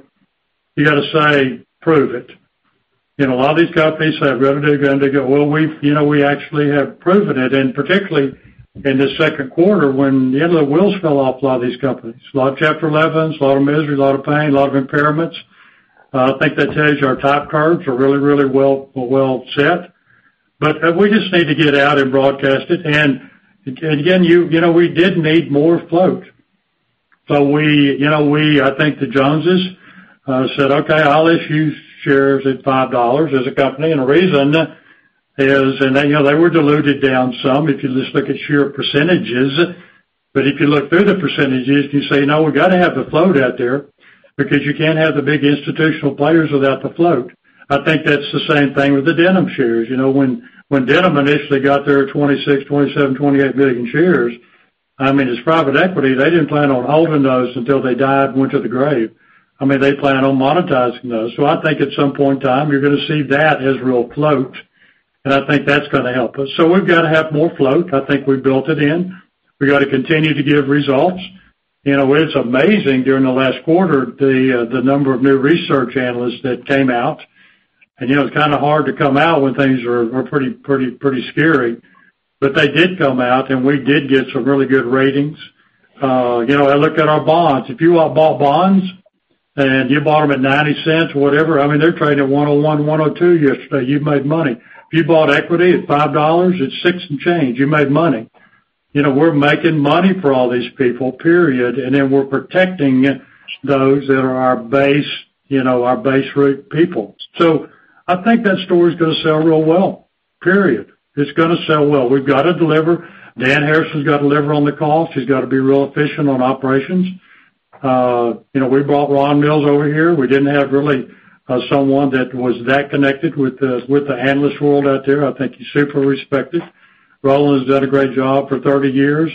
got to say, "Prove it." A lot of these companies have revenue, they go, well, we actually have proven it, and particularly in this second quarter when the end of the wheels fell off a lot of these companies. A lot of Chapter 11s, a lot of misery, a lot of pain, a lot of impairments. I think that tells you our type curves are really well set. We just need to get out and broadcast it. Again, we did need more float. We, I think the Joneses said, "Okay, I'll issue shares at $5 as a company," and the reason is, and they were diluted down some, if you just look at share percentages. If you look through the percentages, you say, "No, we've got to have the float out there," because you can't have the big institutional players without the float. I think that's the same thing with the Denham shares. When Denham initially got their 26, 27, 28 million shares, as private equity, they didn't plan on holding those until they died and went to the grave. They planned on monetizing those. I think at some point in time, you're going to see that as real float, and I think that's going to help us. We've got to have more float. I think we built it in. We've got to continue to give results. It's amazing, during the last quarter, the number of new research analysts that came out, and it's kind of hard to come out when things are pretty scary. They did come out, and we did get some really good ratings. I looked at our bonds. If you all bought bonds and you bought them at $0.90 or whatever, they're trading at $1.01, $1.02 yesterday. You made money. If you bought equity at $5, at $6 and change, you made money. We're making money for all these people, period. Then we're protecting those that are our base root people. I think that story's gonna sell real well, period. It's gonna sell well. We've got to deliver. Dan Harrison's got to deliver on the cost. He's got to be real efficient on operations. We brought Ron Mills over here. We didn't have really someone that was that connected with the analyst world out there. I think he's super respected. Roland has done a great job for 30 years.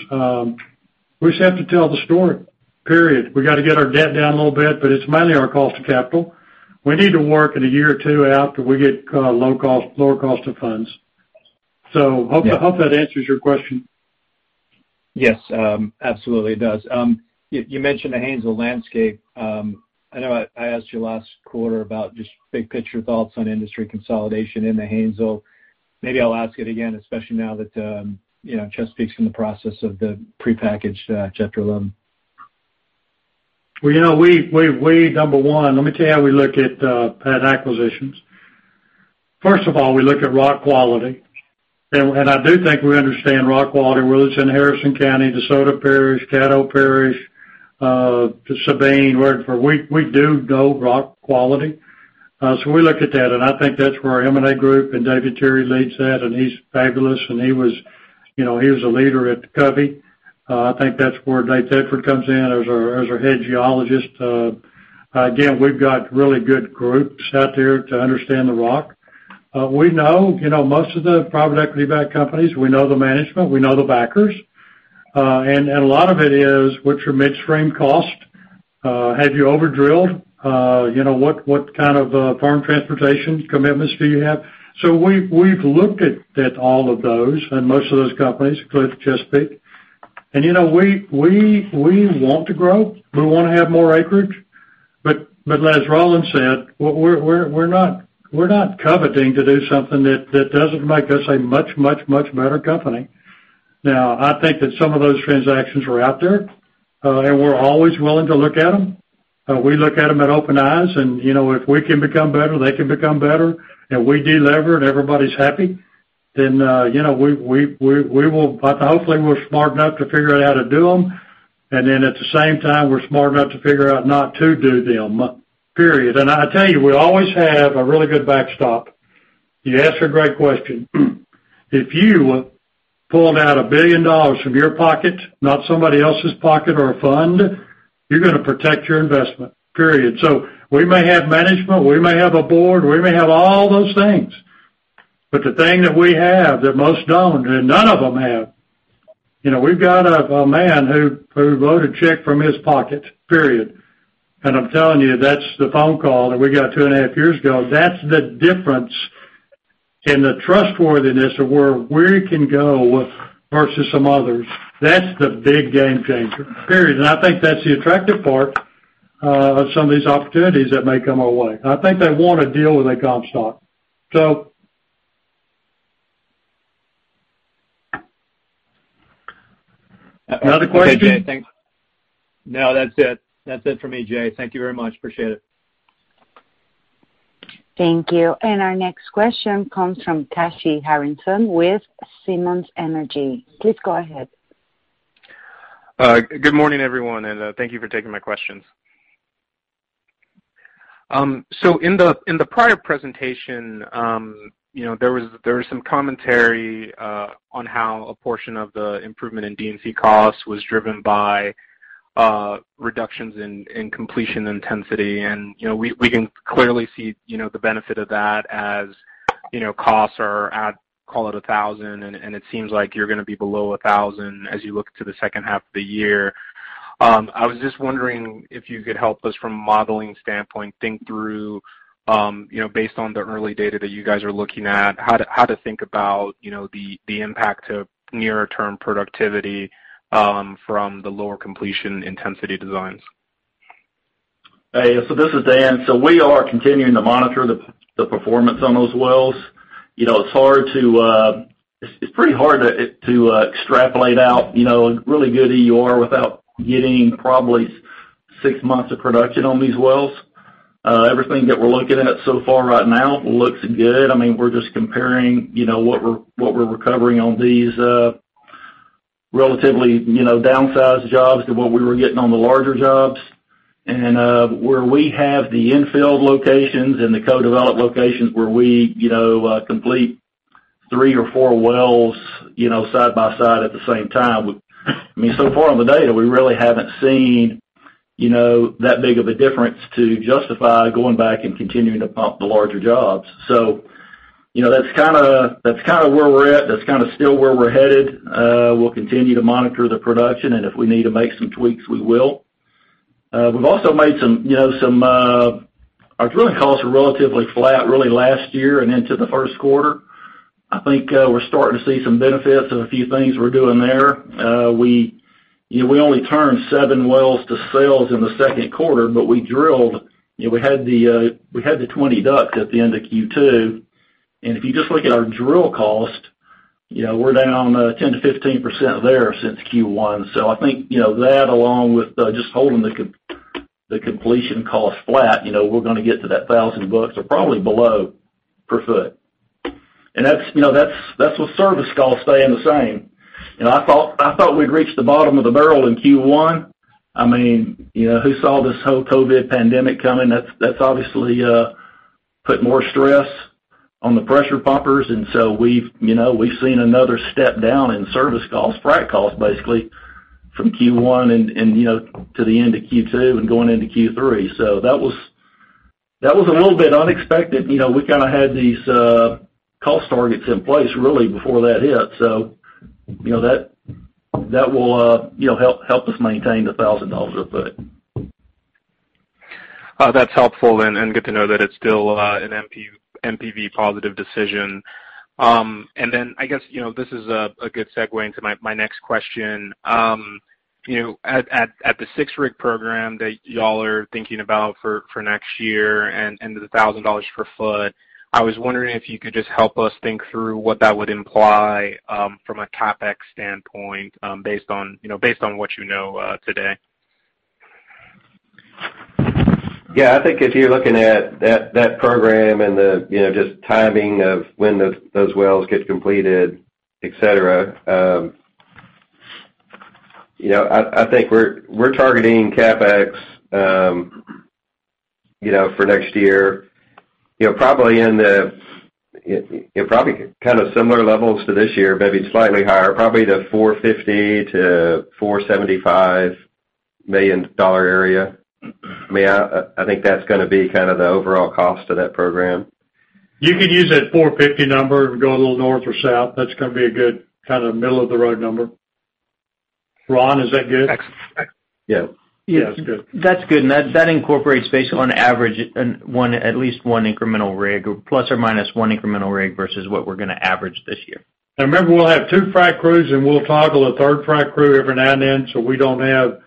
We just have to tell the story, period. We got to get our debt down a little bit, but it's mainly our cost of capital. We need to work in a year or two out till we get lower cost of funds. Hope that answers your question. Yes, absolutely it does. You mentioned the Haynesville landscape. I know I asked you last quarter about just big picture thoughts on industry consolidation in the Haynesville. Maybe I'll ask it again, especially now that Chesapeake's in the process of the prepackaged Chapter 11. Well, we, number one, let me tell you how we look at acquisitions. First of all, we look at rock quality, and I do think we understand rock quality, whether it's in Harrison County, DeSoto Parish, Caddo Parish, Sabine. We do know rock quality. We look at that, and I think that's where our M&A group, and David Terry leads that, and he's fabulous, and he was a leader at Covey. I think that's where Nate Thedford comes in as our head geologist. Again, we've got really good groups out there to understand the rock. We know most of the private equity-backed companies. We know the management. We know the backers. A lot of it is, what's your midstream cost? Have you over-drilled? What kind of firm transportation commitments do you have? We've looked at all of those, and most of those companies, including Chesapeake. We want to grow. We want to have more acreage. As Roland said, we're not coveting to do something that doesn't make us a much better company. I think that some of those transactions are out there, and we're always willing to look at them. We look at them with open eyes, and if we can become better, they can become better, and we de-lever, and everybody's happy, then hopefully we're smart enough to figure out how to do them. At the same time, we're smart enough to figure out not to do them, period. I tell you, we always have a really good backstop. You asked a great question. If you're pulling out $1 billion from your pocket, not somebody else's pocket or a fund, you're going to protect your investment, period. We may have management, we may have a board, we may have all those things, but the thing that we have that most don't, and none of them have, we've got a man who wrote a check from his pocket, period. I'm telling you, that's the phone call that we got two and a half years ago. That's the difference in the trustworthiness of where we can go versus some others. That's the big game changer, period. I think that's the attractive part of some of these opportunities that may come our way. I think they want to deal with a Comstock. Another question? No, that's it. That's it for me, Jay. Thank you very much. Appreciate it. Thank you. Our next question comes from Kashy Harrison with Simmons Energy. Please go ahead. Good morning, everyone, and thank you for taking my questions. In the prior presentation, there was some commentary on how a portion of the improvement in D&C costs was driven by reductions in completion intensity. We can clearly see the benefit of that as costs are at, call it $1,000, and it seems like you're going to be below $1,000 as you look to the second half of the year. I was just wondering if you could help us from a modeling standpoint, think through, based on the early data that you guys are looking at, how to think about the impact of near-term productivity from the lower completion intensity designs. Hey, this is Dan. We are continuing to monitor the performance on those wells. It's pretty hard to extrapolate out a really good EUR without getting probably six months of production on these wells. Everything that we're looking at so far right now looks good. We're just comparing what we're recovering on these relatively downsized jobs to what we were getting on the larger jobs. Where we have the infill locations and the co-developed locations where we complete three or four wells side by side at the same time. So far on the data, we really haven't seen that big of a difference to justify going back and continuing to pump the larger jobs. That's where we're at. That's still where we're headed. We'll continue to monitor the production, and if we need to make some tweaks, we will. Our drilling costs were relatively flat really last year and into the first quarter. I think we're starting to see some benefits of a few things we're doing there. We only turned seven wells to sales in the second quarter, but we drilled, we had the 20 DUCs at the end of Q2. If you just look at our drill cost, we're down 10%-15% there since Q1. I think that, along with just holding the completion cost flat, we're going to get to that $1,000 or probably below per foot. That's with service costs staying the same. I thought we'd reached the bottom of the barrel in Q1. Who saw this whole COVID pandemic coming? That's obviously put more stress on the pressure pumpers, and so we've seen another step down in service costs, frac costs basically, from Q1 to the end of Q2 and going into Q3. That was a little bit unexpected. We had these cost targets in place really before that hit. That will help us maintain the $1,000 a foot. That's helpful and good to know that it's still an NPV-positive decision. I guess, this is a good segue into my next question. At the six-rig program that y'all are thinking about for next year and the $1,000 per foot, I was wondering if you could just help us think through what that would imply from a CapEx standpoint based on what you know today. Yeah. I think if you're looking at that program and just the timing of when those wells get completed, et cetera, I think we're targeting CapEx for next year probably similar levels to this year, maybe slightly higher, probably the $450 million-$475 million area. I think that's going to be the overall cost of that program. You could use that 450 number. If you go a little north or south, that's going to be a good middle-of-the-road number. Ron, is that good? Yeah. Yeah, that's good. That's good, and that incorporates based on average at least one incremental rig or plus or minus one incremental rig versus what we're going to average this year. Remember, we'll have two frac crews, and we'll toggle a third frac crew every now and then, so we don't have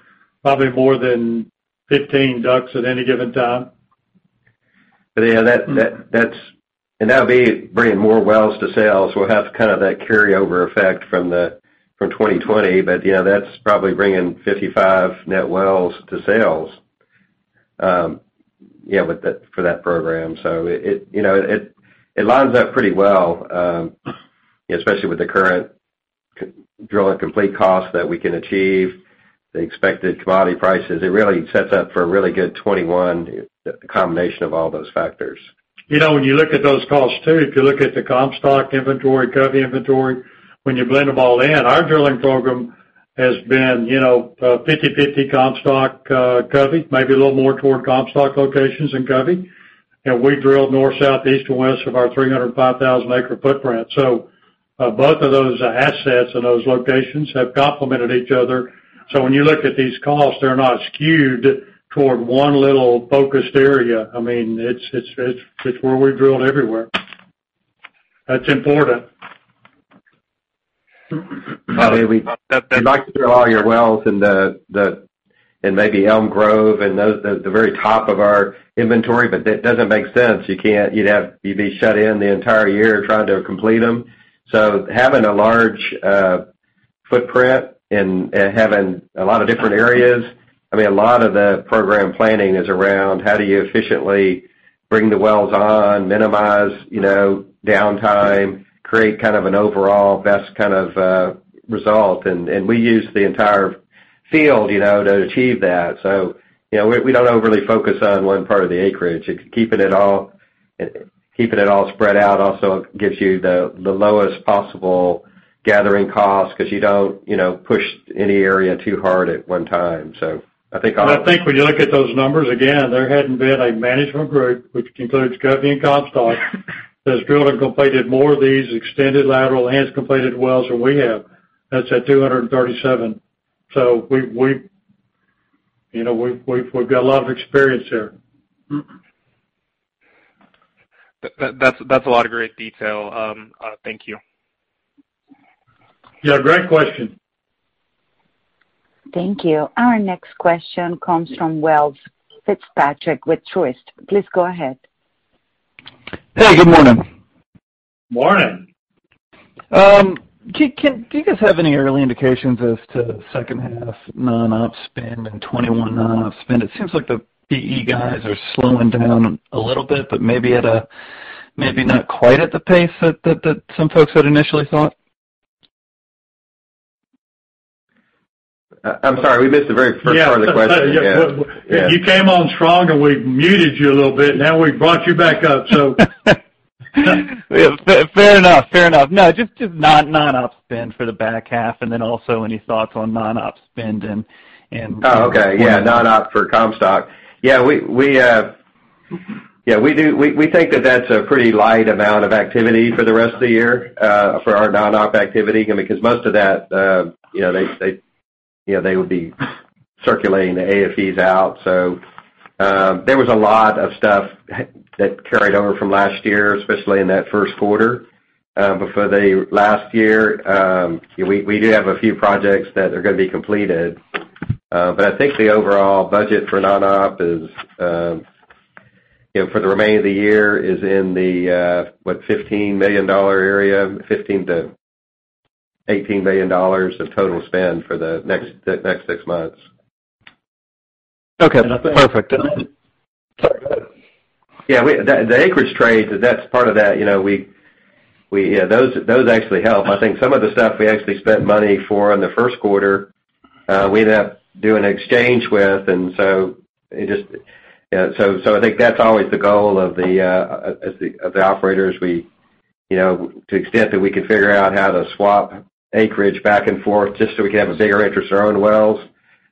probably more than 15 DUCs at any given time. Yeah, and that'll be bringing more wells to sales. We'll have that carryover effect from 2020, but that's probably bringing 55 net wells to sales for that program. It lines up pretty well, especially with the current drill and complete cost that we can achieve. The expected commodity prices, it really sets up for a really good 2021 combination of all those factors. When you look at those costs too, if you look at the Comstock inventory, Covey inventory, when you blend them all in, our drilling program has been 50-50 Comstock, Covey, maybe a little more toward Comstock locations than Covey. We drilled north, south, east and west of our 305,000 acre footprint. Both of those assets and those locations have complemented each other. When you look at these costs, they're not skewed toward one little focused area. It's where we drilled everywhere. That's important. You'd like to drill all your wells in maybe Elm Grove and the very top of our inventory, that doesn't make sense. You'd be shut in the entire year trying to complete them. Having a large footprint and having a lot of different areas, a lot of the program planning is around how do you efficiently bring the wells on, minimize downtime, create an overall best result. We use the entire field to achieve that. We don't overly focus on one part of the acreage. Keeping it all spread out also gives you the lowest possible gathering cost because you don't push any area too hard at one time. I think when you look at those numbers, again, there hadn't been a management group, which includes Covey and Comstock, that has drilled and completed more of these extended lateral and completed wells than we have. That's at 237. We've got a lot of experience there. That's a lot of great detail. Thank you. Yeah, great question. Thank you. Our next question comes from Welles Fitzpatrick with Truist. Please go ahead. Hey, good morning. Morning. Do you guys have any early indications as to second half non-op spend and 2021 non-op spend? It seems like the PE guys are slowing down a little bit, but maybe not quite at the pace that some folks had initially thought. I'm sorry, we missed the very first part of the question. You came on strong and we muted you a little bit. Now we've brought you back up. Fair enough. No, just non-op spend for the back half, and then also any thoughts on non-op spend and? Oh, okay. Yeah. Non-op for Comstock. Yeah, we think that that's a pretty light amount of activity for the rest of the year for our non-op activity, because most of that they would be circulating the AFEs out. There was a lot of stuff that carried over from last year, especially in that first quarter. Before the last year, we do have a few projects that are going to be completed. I think the overall budget for non-op for the remainder of the year is in the $15 million area, $15 million-$18 million of total spend for the next six months. Okay, perfect. Yeah. The acreage trade, that's part of that. Those actually help. I think some of the stuff we actually spent money for in the first quarter, we ended up doing an exchange with, and so I think that's always the goal of the operators. To the extent that we can figure out how to swap acreage back and forth just so we can have a bigger interest in our own wells,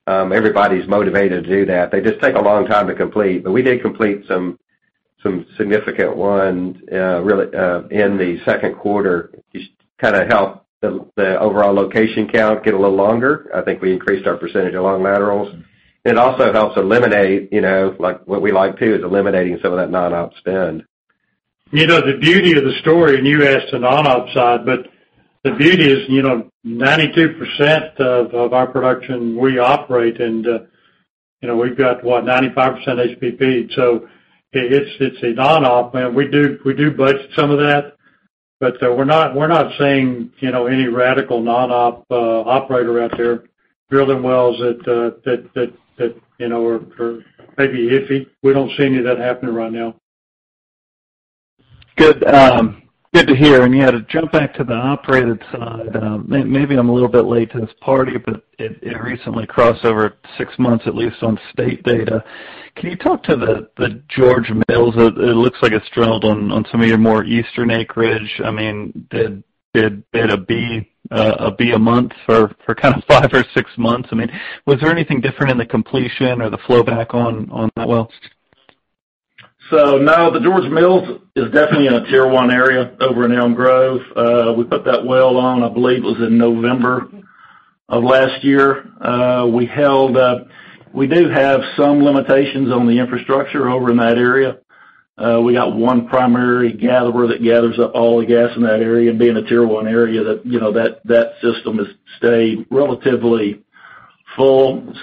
everybody's motivated to do that. They just take a long time to complete. We did complete some significant ones in the second quarter. Just help the overall location count get a little longer. I think we increased our percentage of long laterals. It also helps eliminate, like what we like too, is eliminating some of that non-op spend. The beauty of the story, you asked the non-op side, the beauty is 92% of our production we operate in. We've got, what, 95% HBP. It's a non-op, man. We do budget some of that, we're not seeing any radical non-op operator out there drilling wells that are maybe iffy. We don't see any of that happening right now. Yeah, to jump back to the operated side, maybe I'm a little bit late to this party, it recently crossed over six months, at least on state data. Can you talk to the George Mills? It looks like it's drilled on some of your more eastern acreage. Did it be a month for five or six months? Was there anything different in the completion or the flow back on that well? No, the George Mills is definitely in a Tier 1 area over in Elm Grove. We put that well on, I believe it was in November of last year. We do have some limitations on the infrastructure over in that area. We got one primary gatherer that gathers up all the gas in that area, and being a Tier 1 area, that system has stayed relatively full.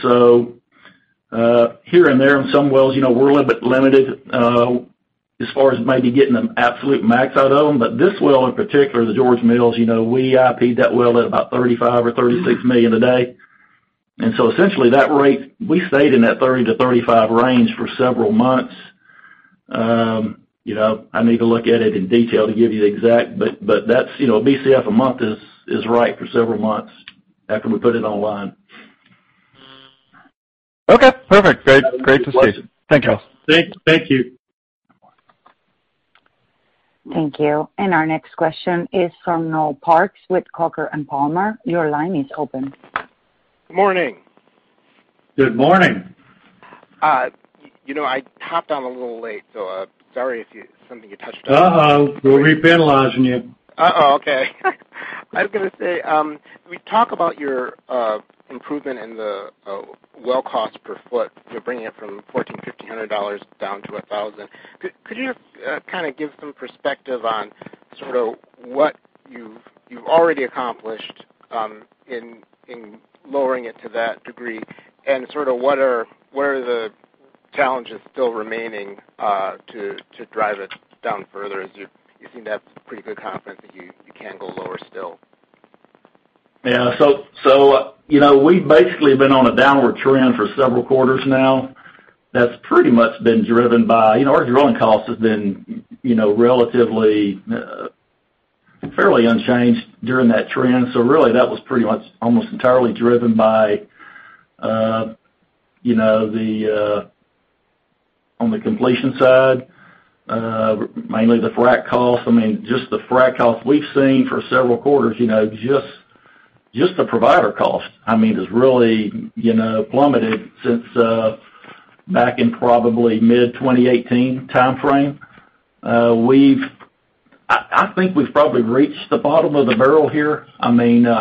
Here and there in some wells, we're a little bit limited, as far as maybe getting the absolute max out of them. This well in particular, the George Mills, we IP'd that well at about 35 or 36 million a day. Essentially that rate, we stayed in that 30 to 35 range for several months. I need to look at it in detail to give you the exact, but BCF a month is right for several months after we put it online. Okay, perfect. Great to see. Thank you all. Thank you. Thank you. Our next question is from Noel Parks with Coker & Palmer. Your line is open. Good morning. Good morning. I hopped on a little late, so sorry if you something you touched on. Uh-oh. We're re-penalizing you. Okay. I was going to say, when we talk about your improvement in the well cost per foot, you're bringing it from $1,400, $1,500 down to $1,000. Could you just give some perspective on what you've already accomplished in lowering it to that degree? What are the challenges still remaining to drive it down further, as you seem to have pretty good confidence that you can go lower still? Yeah. We've basically been on a downward trend for several quarters now. That's pretty much been driven by Our drilling cost has been relatively, fairly unchanged during that trend. Really that was pretty much almost entirely driven on the completion side, mainly the frack cost. Just the frack cost we've seen for several quarters, just the provider cost, has really plummeted since back in probably mid 2018 timeframe. I think we've probably reached the bottom of the barrel here. I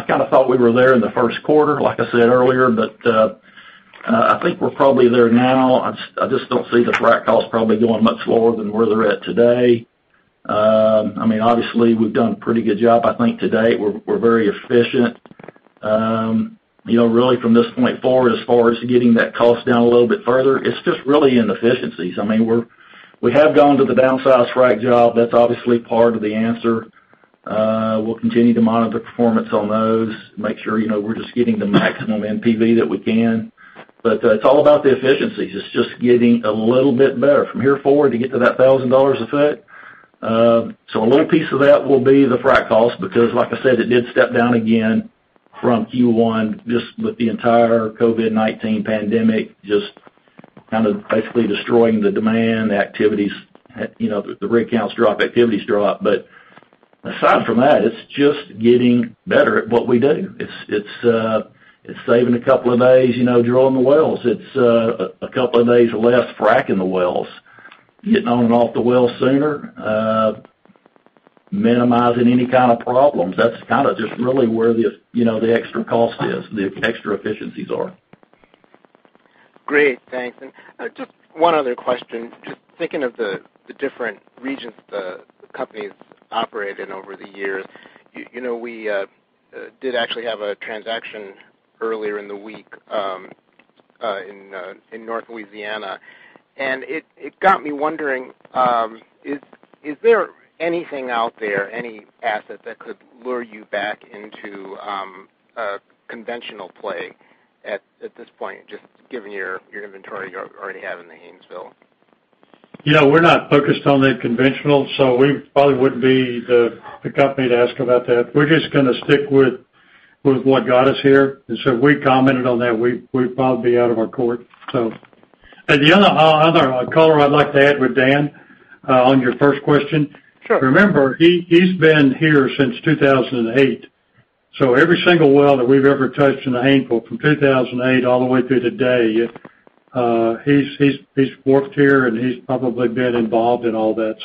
thought we were there in the first quarter, like I said earlier, I think we're probably there now. I just don't see the frack costs probably going much lower than where they're at today. Obviously we've done a pretty good job, I think, to date. We're very efficient. Really from this point forward, as far as getting that cost down a little bit further, it's just really in efficiencies. We have gone to the downsize frack job. That's obviously part of the answer. We'll continue to monitor performance on those, make sure we're just getting the maximum NPV that we can. It's all about the efficiencies. It's just getting a little bit better from here forward to get to that $1,000 a foot. A little piece of that will be the frack cost, because like I said, it did step down again from Q1 just with the entire COVID-19 pandemic, just basically destroying the demand, the activities. The rig counts drop, activities drop. Aside from that, it's just getting better at what we do. It's saving a couple of days drilling the wells. It's a couple of days less fracking the wells, getting on and off the wells sooner, minimizing any kind of problems. That's just really where the extra cost is, the extra efficiencies are. Great. Thanks. Just one other question. Just thinking of the different regions the company's operated in over the years. We did actually have a transaction earlier in the week in North Louisiana, and it got me wondering, is there anything out there, any asset that could lure you back into a conventional play at this point, just given your inventory you already have in the Haynesville? We're not focused on the conventional, so we probably wouldn't be the company to ask about that. We're just going to stick with what got us here. If we commented on that, we'd probably be out of our court. The other color I'd like to add with Dan, on your first question. Sure He's been here since 2008. Every single well that we've ever touched in the Haynesville from 2008 all the way through today, he's worked here, and he's probably been involved in all that.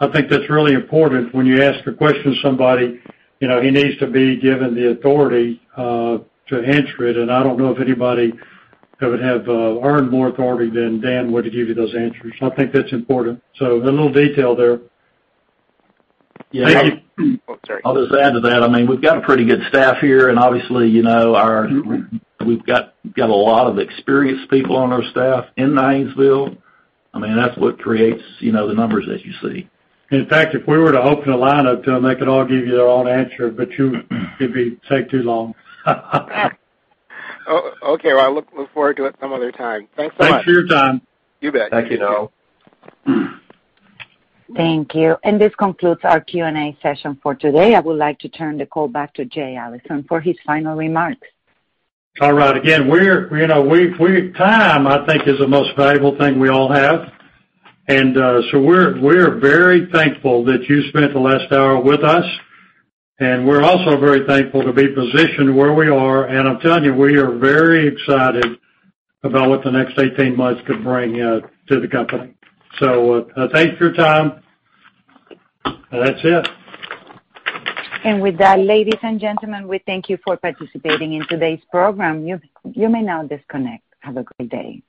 I think that's really important when you ask a question to somebody. He needs to be given the authority to answer it, and I don't know of anybody that would have earned more authority than Dan were to give you those answers. I think that's important. A little detail there. Thank you. Oh, sorry. I'll just add to that. We've got a pretty good staff here, and obviously we've got a lot of experienced people on our staff in the Haynesville. That's what creates the numbers that you see. In fact, if we were to open a line up to them, they could all give you their own answer, but it'd take too long. Oh, okay. Well, I look forward to it some other time. Thanks so much. Thanks for your time. You bet. Thank you, Noel. Thank you. This concludes our Q&A session for today. I would like to turn the call back to Jay Allison for his final remarks. All right. Again, time, I think is the most valuable thing we all have. We're very thankful that you spent the last hour with us, and we're also very thankful to be positioned where we are. I'm telling you, we are very excited about what the next 18 months could bring to the company. Thanks for your time. That's it. With that, ladies and gentlemen, we thank you for participating in today's program. You may now disconnect. Have a great day.